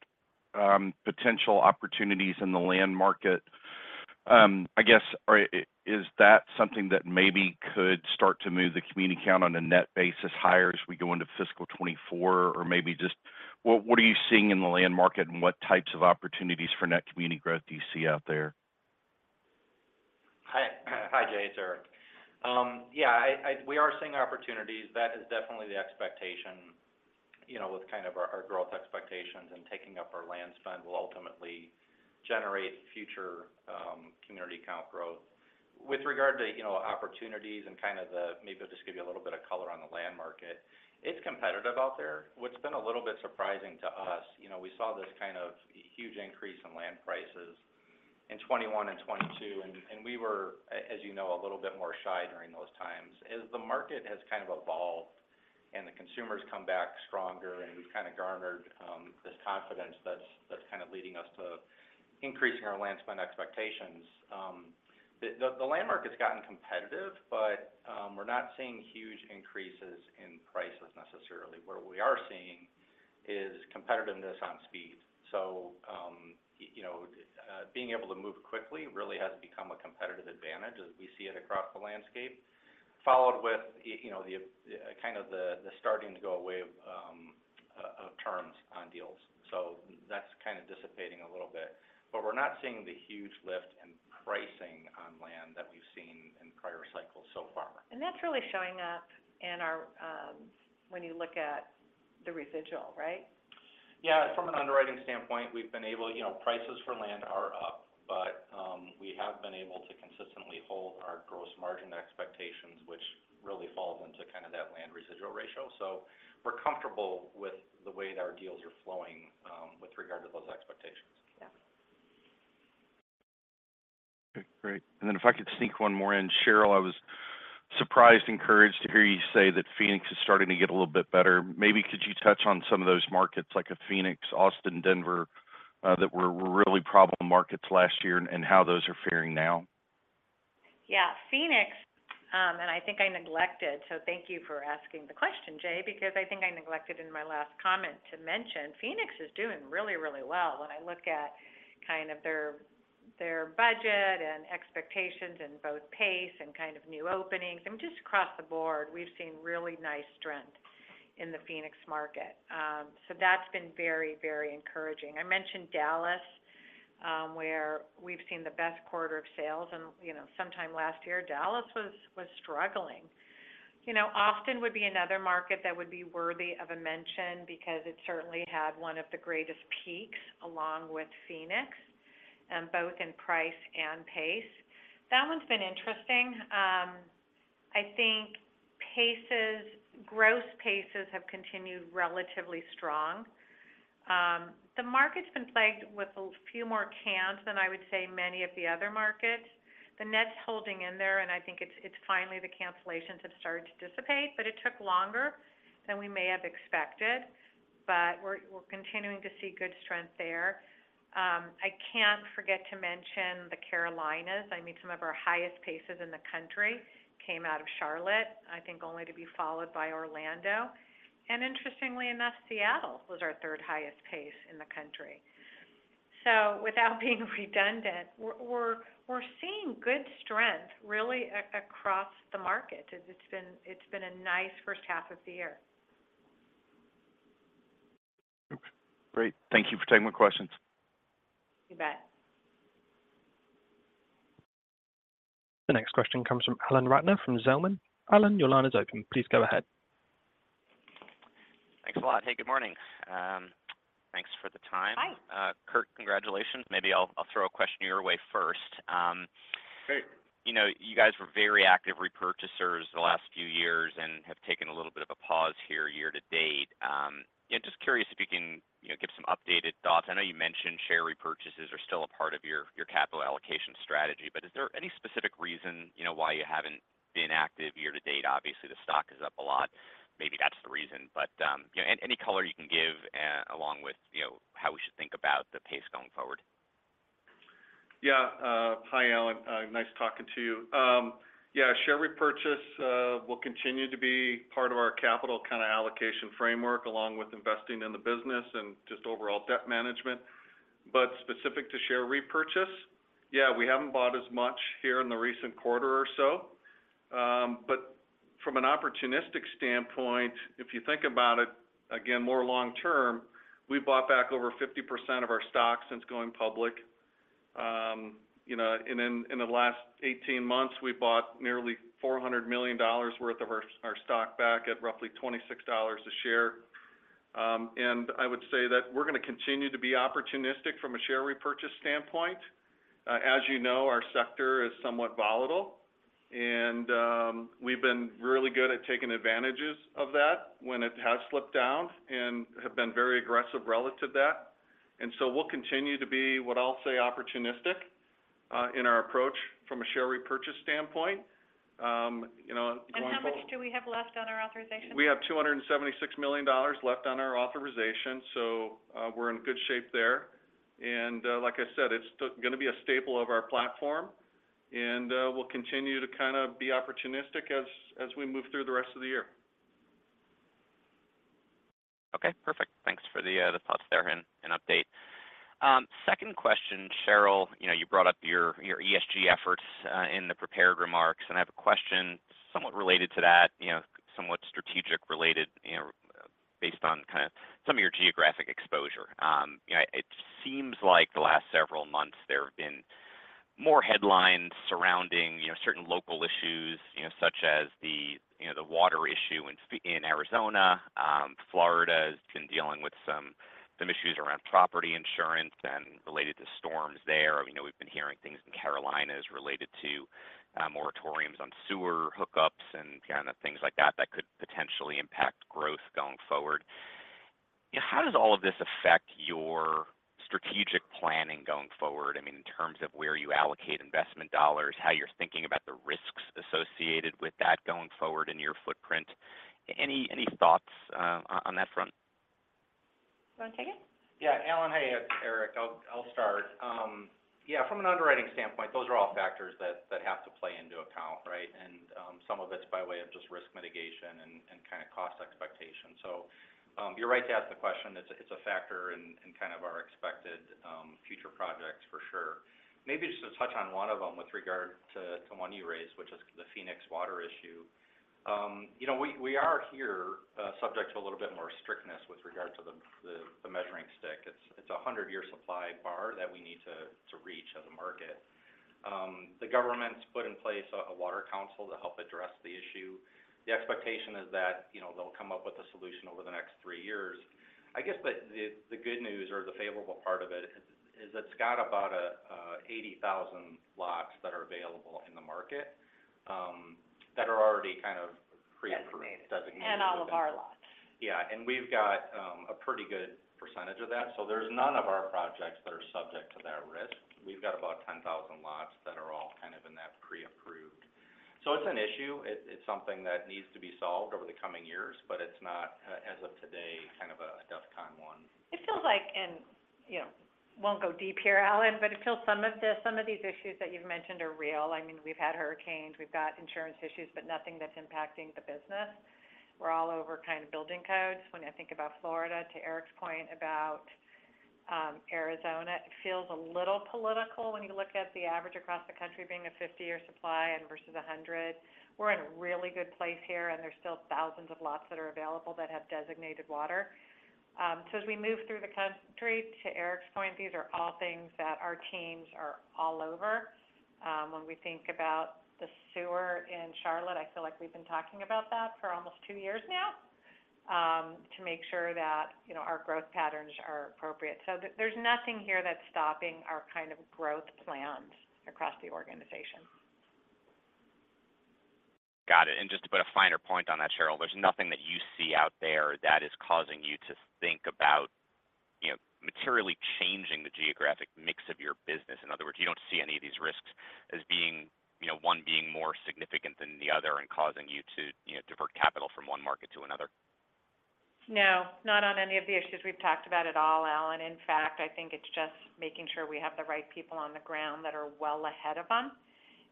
potential opportunities in the land market. I guess, is that something that maybe could start to move the community count on a net basis higher as we go into fiscal 2024? Or maybe just what are you seeing in the land market, and what types of opportunities for net community growth do you see out there? Hi. Hi, Jay, it's Erik. Yeah, we are seeing opportunities. That is definitely the expectation, you know, with kind of our growth expectations, and taking up our land spend will ultimately generate future community count growth. With regard to, you know, opportunities and kind of the maybe I'll just give you a little bit of color on the land market. It's competitive out there. What's been a little bit surprising to us, you know, we saw this kind of huge increase in land prices in 2021 and 2022, and we were, as you know, a little bit more shy during those times. As the market has kind of evolved and the consumers come back stronger and we've kind of garnered this confidence that's kind of leading us to increasing our land spend expectations. The land market has gotten competitive, we're not seeing huge increases in prices necessarily. What we are seeing is competitiveness on speed. You know, being able to move quickly really has become a competitive advantage as we see it across the landscape, followed with, you know, kind of the starting to go away of terms on deals. That's kind of dissipating a little bit. We're not seeing the huge lift in pricing on land that we've seen in prior cycles so far. That's really showing up in our, when you look at the residual, right? Yeah. From an underwriting standpoint, we've been able. You know, prices for land are up, but we have been able to consistently hold our gross margin expectations, which really falls into kind of that land residual ratio. We're comfortable with the way that our deals are flowing with regard to those expectations. Yeah. Okay, great. If I could sneak one more in. Sheryl, I was surprised, encouraged to hear you say that Phoenix is starting to get a little bit better. Maybe could you touch on some of those markets, like a Phoenix, Austin, Denver, that were really problem markets last year and how those are faring now? Phoenix, I think I neglected, so thank you for asking the question, Jay, because I think I neglected in my last comment to mention, Phoenix is doing really, really well. When I look at kind of their budget and expectations in both pace and kind of new openings, just across the board, we've seen really nice strength in the Phoenix market. That's been very, very encouraging. I mentioned Dallas, where we've seen the best quarter of sales, you know, sometime last year, Dallas was struggling. You know, Austin would be another market that would be worthy of a mention because it certainly had one of the greatest peaks, along with Phoenix, both in price and pace. That one's been interesting. I think paces, gross paces have continued relatively strong. The market's been plagued with a few more cans than I would say many of the other markets. The net's holding in there, and I think it's finally, the cancellations have started to dissipate, but it took longer than we may have expected, but we're continuing to see good strength there. I can't forget to mention the Carolinas. I mean, some of our highest paces in the country came out of Charlotte, I think only to be followed by Orlando. Interestingly enough, Seattle was our third highest pace in the country. Without being redundant, we're seeing good strength really across the market. It's been a nice first half of the year. Okay, great. Thank you for taking my questions. You bet. The next question comes from Alan Ratner from Zelman. Alan, your line is open. Please go ahead. Thanks a lot. Hey, good morning. Thanks for the time. Hi. Curt, congratulations. Maybe I'll throw a question your way first. Great. You know, you guys were very active repurchasers the last few years and have taken a little bit of a pause here year to date. Yeah, just curious if you can, you know, give some updated thoughts. I know you mentioned share repurchases are still a part of your capital allocation strategy, but is there any specific reason, you know, why you haven't been active year to date? Obviously, the stock is up a lot. Maybe that's the reason, but, you know, any color you can give along with, you know, how we should think about the pace going forward? Hi, Alan, nice talking to you. Share repurchase will continue to be part of our capital kind of allocation framework, along with investing in the business and just overall debt management. Specific to share repurchase, we haven't bought as much here in the recent quarter or so. From an opportunistic standpoint, if you think about it, again, more long term, we bought back over 50% of our stock since going public. You know, in the last 18 months, we bought nearly $400 million worth of our stock back at roughly $26 a share. I would say that we're going to continue to be opportunistic from a share repurchase standpoint. As you know, our sector is somewhat volatile, and we've been really good at taking advantages of that when it has slipped down and have been very aggressive relative to that. We'll continue to be, what I'll say, opportunistic, in our approach from a share repurchase standpoint. You know. How much do we have left on our authorization? We have $276 million left on our authorization, so we're in good shape there. Like I said, it's still going to be a staple of our platform, and we'll continue to kind of be opportunistic as we move through the rest of the year. Okay, perfect. Thanks for the thoughts there and update. Second question, Sheryl, you know, you brought up your ESG efforts in the prepared remarks, and I have a question somewhat related to that, you know, somewhat strategic related, you know, based on kind of some of your geographic exposure. You know, it seems like the last several months there have been more headlines surrounding, you know, certain local issues, you know, such as the, you know, the water issue in Arizona. Florida has been dealing with some issues around property insurance and related to storms there. You know, we've been hearing things in Carolinas related to moratoriums on sewer hookups and kind of things like that could potentially impact growth going forward. How does all of this affect your strategic planning going forward? I mean, in terms of where you allocate investment dollars, how you're thinking about the risks associated with that going forward in your footprint. Any thoughts on that front? You want to take it? Alan, hey, it's Erik Heuser. I'll start. From an underwriting standpoint, those are all factors that have to play into account, right? Some of it's by way of just risk mitigation and kind of cost expectation. You're right to ask the question, it's a factor in kind of our expected future projects for sure. Maybe just to touch on one of them with regard to one you raised, which is the Phoenix water issue. You know, we are here subject to a little bit more strictness with regard to the measuring stick. It's a 100-year supply bar that we need to reach as a market. The government's put in place a water council to help address the issue. The expectation is that, you know, they'll come up with a solution over the next 3 years. I guess. The good news or the favorable part of it is it's got about 80,000 lots that are available in the market, that are already kind of pre-approved. Designated. All of our lots. We've got a pretty good % of that. There's none of our projects that are subject to that risk. We've got about 10,000 lots that are all kind of in that pre-approved. It's an issue. It's something that needs to be solved over the coming years, but it's not, as of today, kind of a DEFCON 1. It feels like, you know, won't go deep here, Alan, but it feels some of these issues that you've mentioned are real. I mean, we've had hurricanes, we've got insurance issues, but nothing that's impacting the business. We're all over kind of building codes. When I think about Florida, to Erik's point about Arizona, it feels a little political when you look at the average across the country being a 50-year supply and versus 100. We're in a really good place here, and there's still thousands of lots that are available that have designated water. As we move through the country, to Erik's point, these are all things that our teams are all over. When we think about the sewer in Charlotte, I feel like we've been talking about that for almost 2 years now, to make sure that, you know, our growth patterns are appropriate. There, there's nothing here that's stopping our kind of growth plans across the organization. Got it. Just to put a finer point on that, Sheryl, there's nothing that you see out there that is causing you to think about, you know, materially changing the geographic mix of your business. In other words, you don't see any of these risks as being, you know, one being more significant than the other and causing you to, you know, divert capital from one market to another? No, not on any of the issues we've talked about at all, Alan. In fact, I think it's just making sure we have the right people on the ground that are well ahead of them,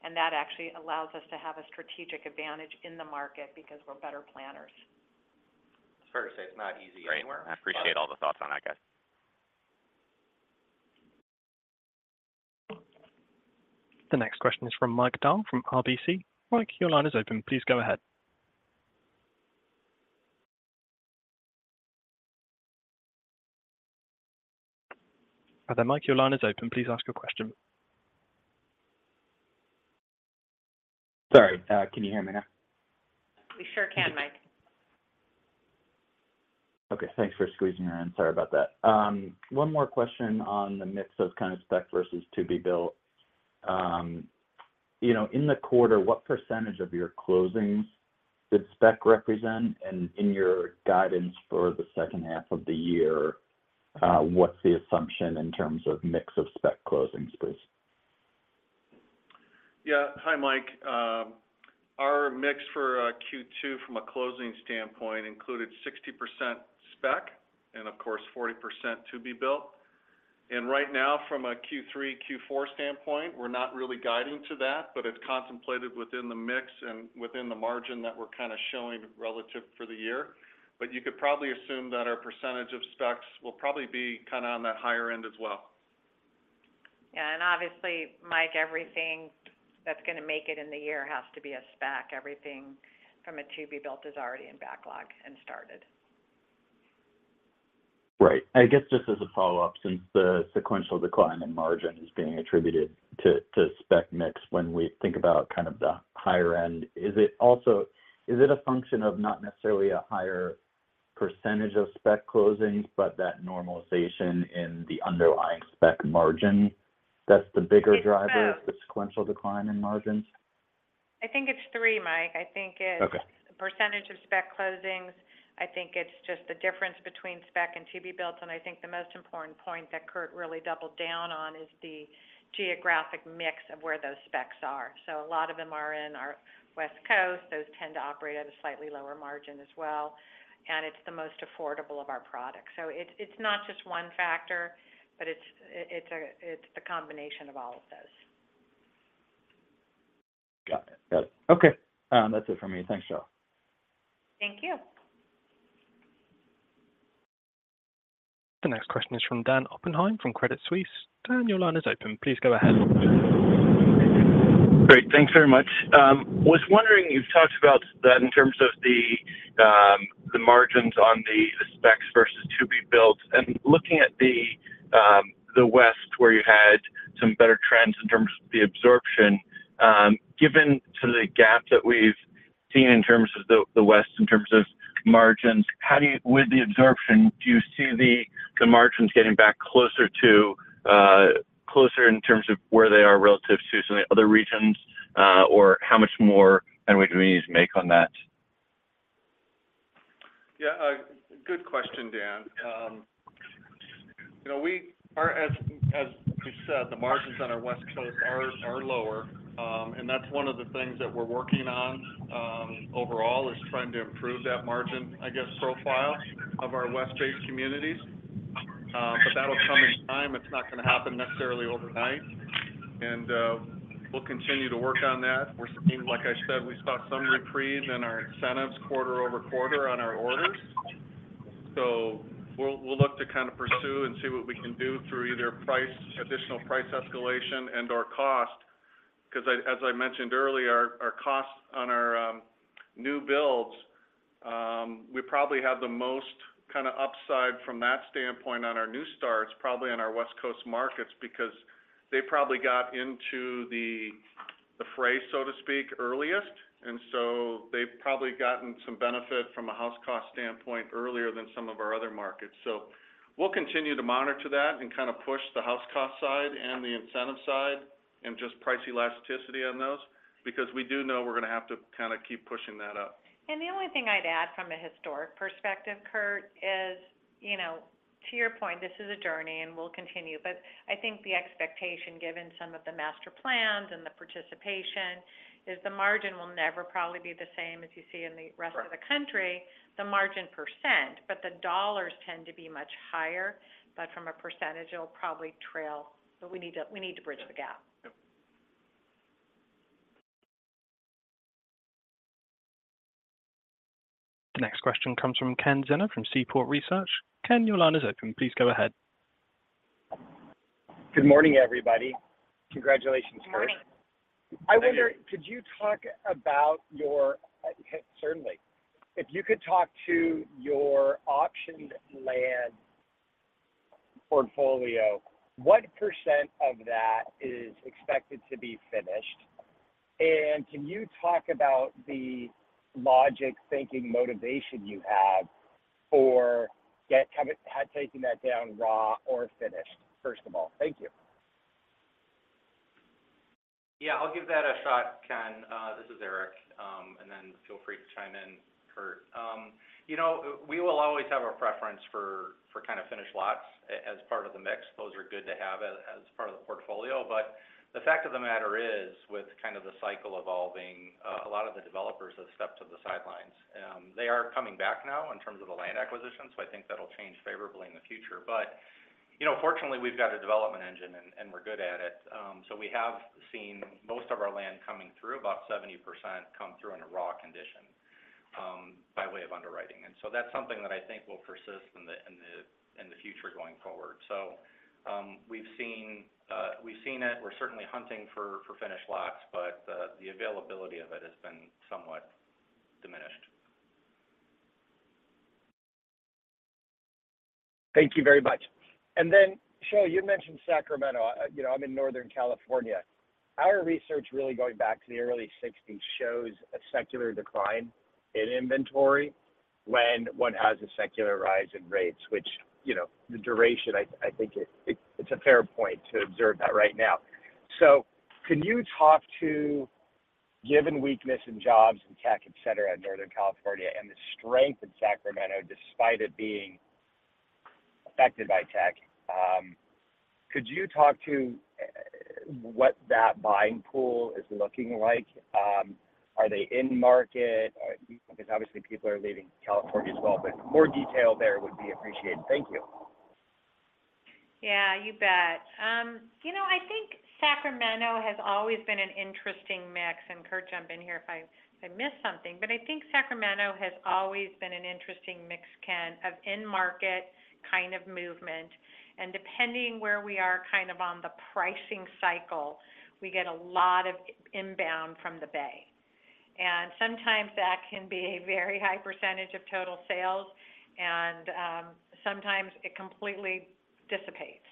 and that actually allows us to have a strategic advantage in the market because we're better planners. It's fair to say it's not easy anywhere. Great. I appreciate all the thoughts on that, guys. The next question is from Mike Dahl, from RBC. Mike, your line is open. Please go ahead. Hi there, Mike, your line is open. Please ask your question. Sorry, can you hear me now? We sure can, Mike. Okay, thanks for squeezing her in. Sorry about that. 1 more question on the mix of kind of spec versus to be built. you know, in the quarter, what % of your closings did spec represent? In your guidance for the 2nd half of the year, what's the assumption in terms of mix of spec closings, please? Yeah. Hi, Mike. Our mix for Q2 from a closing standpoint included 60% spec and, of course, 40% to be built. Right now, from a Q3, Q4 standpoint, we're not really guiding to that, but it's contemplated within the mix and within the margin that we're kind of showing relative for the year. You could probably assume that our percentage of specs will probably be kind of on that higher end as well. Obviously, Mike, everything that's going to make it in the year has to be a spec. Everything from a to-be built is already in backlog and started. Right. I guess, just as a follow-up, since the sequential decline in margin is being attributed to spec mix, when we think about kind of the higher end, is it also a function of not necessarily a higher percentage of spec closings, but that normalization in the underlying spec margin, that's the bigger driver? It's. of the sequential decline in margins? I think it's three, Mike. Okay... percentage of spec closings. I think it's just the difference between spec and to-be built, and I think the most important point that Curt really doubled down on is the geographic mix of where those specs are. A lot of them are in our West Coast. Those tend to operate at a slightly lower margin as well, and it's the most affordable of our products. It's, it's not just one factor, but it's a, it's a combination of all of those. Got it. Got it. Okay, that's it for me. Thanks, y'all. Thank you. The next question is from Daniel Oppenheim, from Credit Suisse. Dan, your line is open. Please go ahead. Great. Thanks very much. was wondering, you've talked about the, in terms of the margins on the specs versus to-be-built, and looking at the West, where you had some better trends in terms of the absorption, given to the gap that we've seen in terms of the West, in terms of margins, how do you with the absorption, do you see the margins getting back closer to, closer in terms of where they are relative to some of the other regions, or how much more and where do we need to make on that? Yeah, good question, Dan. You know, we are as you said, the margins on our West Coast are lower. That's one of the things that we're working on, overall, is trying to improve that margin, I guess, profile of our West-based communities. That'll come in time. It's not going to happen necessarily overnight, we'll continue to work on that. We're seeing, like I said, we saw some reprieve in our incentives quarter-over-quarter on our orders. We'll look to kind of pursue and see what we can do through either price, additional price escalation and/or cost, because as I mentioned earlier, our costs on our new builds, we probably have the most kind of upside from that standpoint on our new starts, probably on our West Coast markets, because they probably got into the fray, so to speak, earliest. They've probably gotten some benefit from a house cost standpoint earlier than some of our other markets. We'll continue to monitor that and kind of push the house cost side and the incentive side and just price elasticity on those, because we do know we're going to have to kind of keep pushing that up. The only thing I'd add from a historic perspective, Curt, is, you know, to your point, this is a journey, and we'll continue. I think the expectation, given some of the master plans and the participation, is the margin will never probably be the same as you see in the. Right... rest of the country, the margin %, the dollars tend to be much higher. From a %, it'll probably trail. We need to bridge the gap. Yep. The next question comes from Kenneth Zener from Seaport Research. Ken, your line is open. Please go ahead. Good morning, everybody. Congratulations, first. Good morning. I wonder, could you talk about your. Certainly. If you could talk to your optioned land portfolio, what % of that is expected to be finished? Can you talk about the logic, thinking, motivation you have for having, had taking that down raw or finished, first of all? Thank you. Yeah, I'll give that a shot, Ken. This is Erik, then feel free to chime in, Curt. You know, we will always have a preference for kind of finished lots as part of the mix. Those are good to have as part of the portfolio, the fact of the matter is, with kind of the cycle evolving, a lot of the developers have stepped to the sidelines. They are coming back now in terms of the land acquisition, I think that'll change favorably in the future. You know, fortunately, we've got a development engine, and we're good at it. We have seen most of our land coming through, about 70% come through in a raw condition, by way of underwriting. That's something that I think will persist in the future going forward. We've seen it. We're certainly hunting for finished lots, but the availability of it has been somewhat challenging. Thank you very much. Sheryl, you mentioned Sacramento. You know, I'm in Northern California. Our research really going back to the early 60s, shows a secular decline in inventory when one has a secular rise in rates, which, you know, the duration, I think it's a fair point to observe that right now. Can you talk to, given weakness in jobs and tech, et cetera, in Northern California, and the strength in Sacramento, despite it being affected by tech, could you talk to what that buying pool is looking like? Are they in market? Because obviously people are leaving California as well, but more detail there would be appreciated. Thank you. Yeah, you bet. You know, I think Sacramento has always been an interesting mix, and Curt, jump in here if I, if I miss something. I think Sacramento has always been an interesting mix, Ken, of in-market kind of movement, and depending where we are, kind of on the pricing cycle, we get a lot of inbound from the Bay. Sometimes that can be a very high percentage of total sales, and, sometimes it completely dissipates.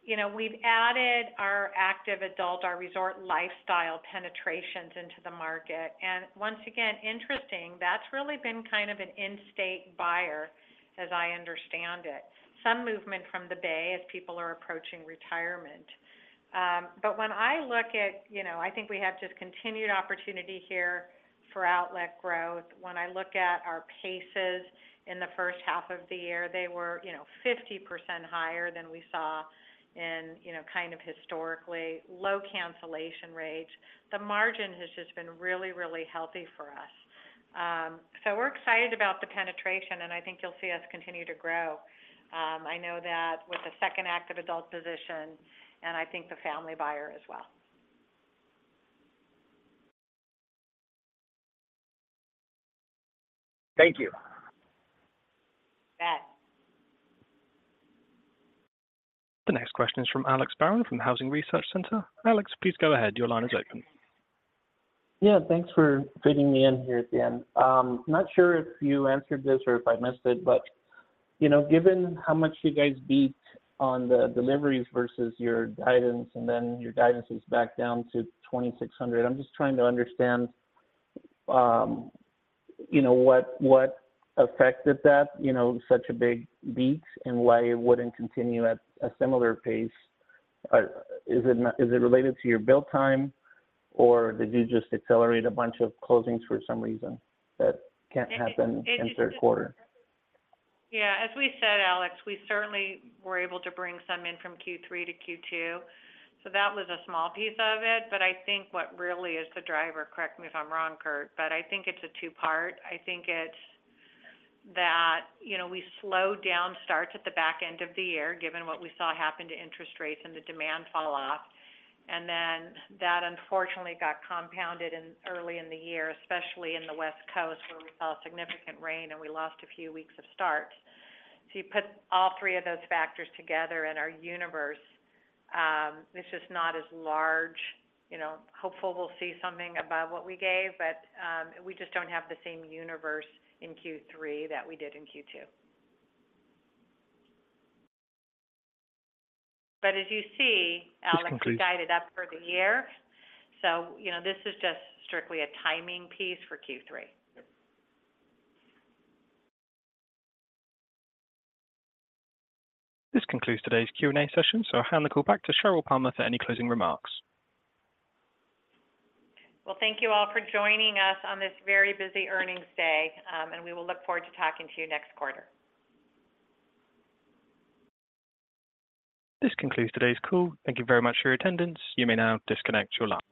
You know, we've added our active adult, our resort lifestyle penetrations into the market, and once again, interesting, that's really been kind of an in-state buyer, as I understand it. Some movement from the Bay as people are approaching retirement. When I look at, you know, I think we have just continued opportunity here for outlet growth. When I look at our paces in the first half of the year, they were, you know, 50% higher than we saw in, you know, kind of historically, low cancellation rates. The margin has just been really, really healthy for us. We're excited about the penetration, and I think you'll see us continue to grow. I know that with the second active adult position and I think the family buyer as well. Thank you. You bet. The next question is from Alex Barron, from Housing Research Center. Alex, please go ahead. Your line is open. Yeah, thanks for fitting me in here at the end. I'm not sure if you answered this or if I missed it, but, you know, given how much you guys beat on the deliveries versus your guidance, and then your guidance is back down to 2,600, I'm just trying to understand, you know, what affected that? You know, such a big beat and why it wouldn't continue at a similar pace. Is it related to your build time, or did you just accelerate a bunch of closings for some reason that can't happen in the third quarter? As we said, Alex, we certainly were able to bring some in from Q3 to Q2, so that was a small piece of it. I think what really is the driver, correct me if I'm wrong, Curt, but I think it's a two-part. I think it's that, you know, we slowed down starts at the back end of the year, given what we saw happen to interest rates and the demand fall off, and then that unfortunately got compounded in early in the year, especially in the West Coast, where we saw significant rain and we lost a few weeks of starts. You put all three of those factors together in our universe, it's just not as large, you know. Hopeful we'll see something above what we gave, but we just don't have the same universe in Q3 that we did in Q2. As you see, Alex, we guided up for the year, so, you know, this is just strictly a timing piece for Q3. This concludes today's Q&A session. I'll hand the call back to Sheryl Palmer for any closing remarks. Well, thank you all for joining us on this very busy earnings day, and we will look forward to talking to you next quarter. This concludes today's call. Thank you very much for your attendance. You may now disconnect your line.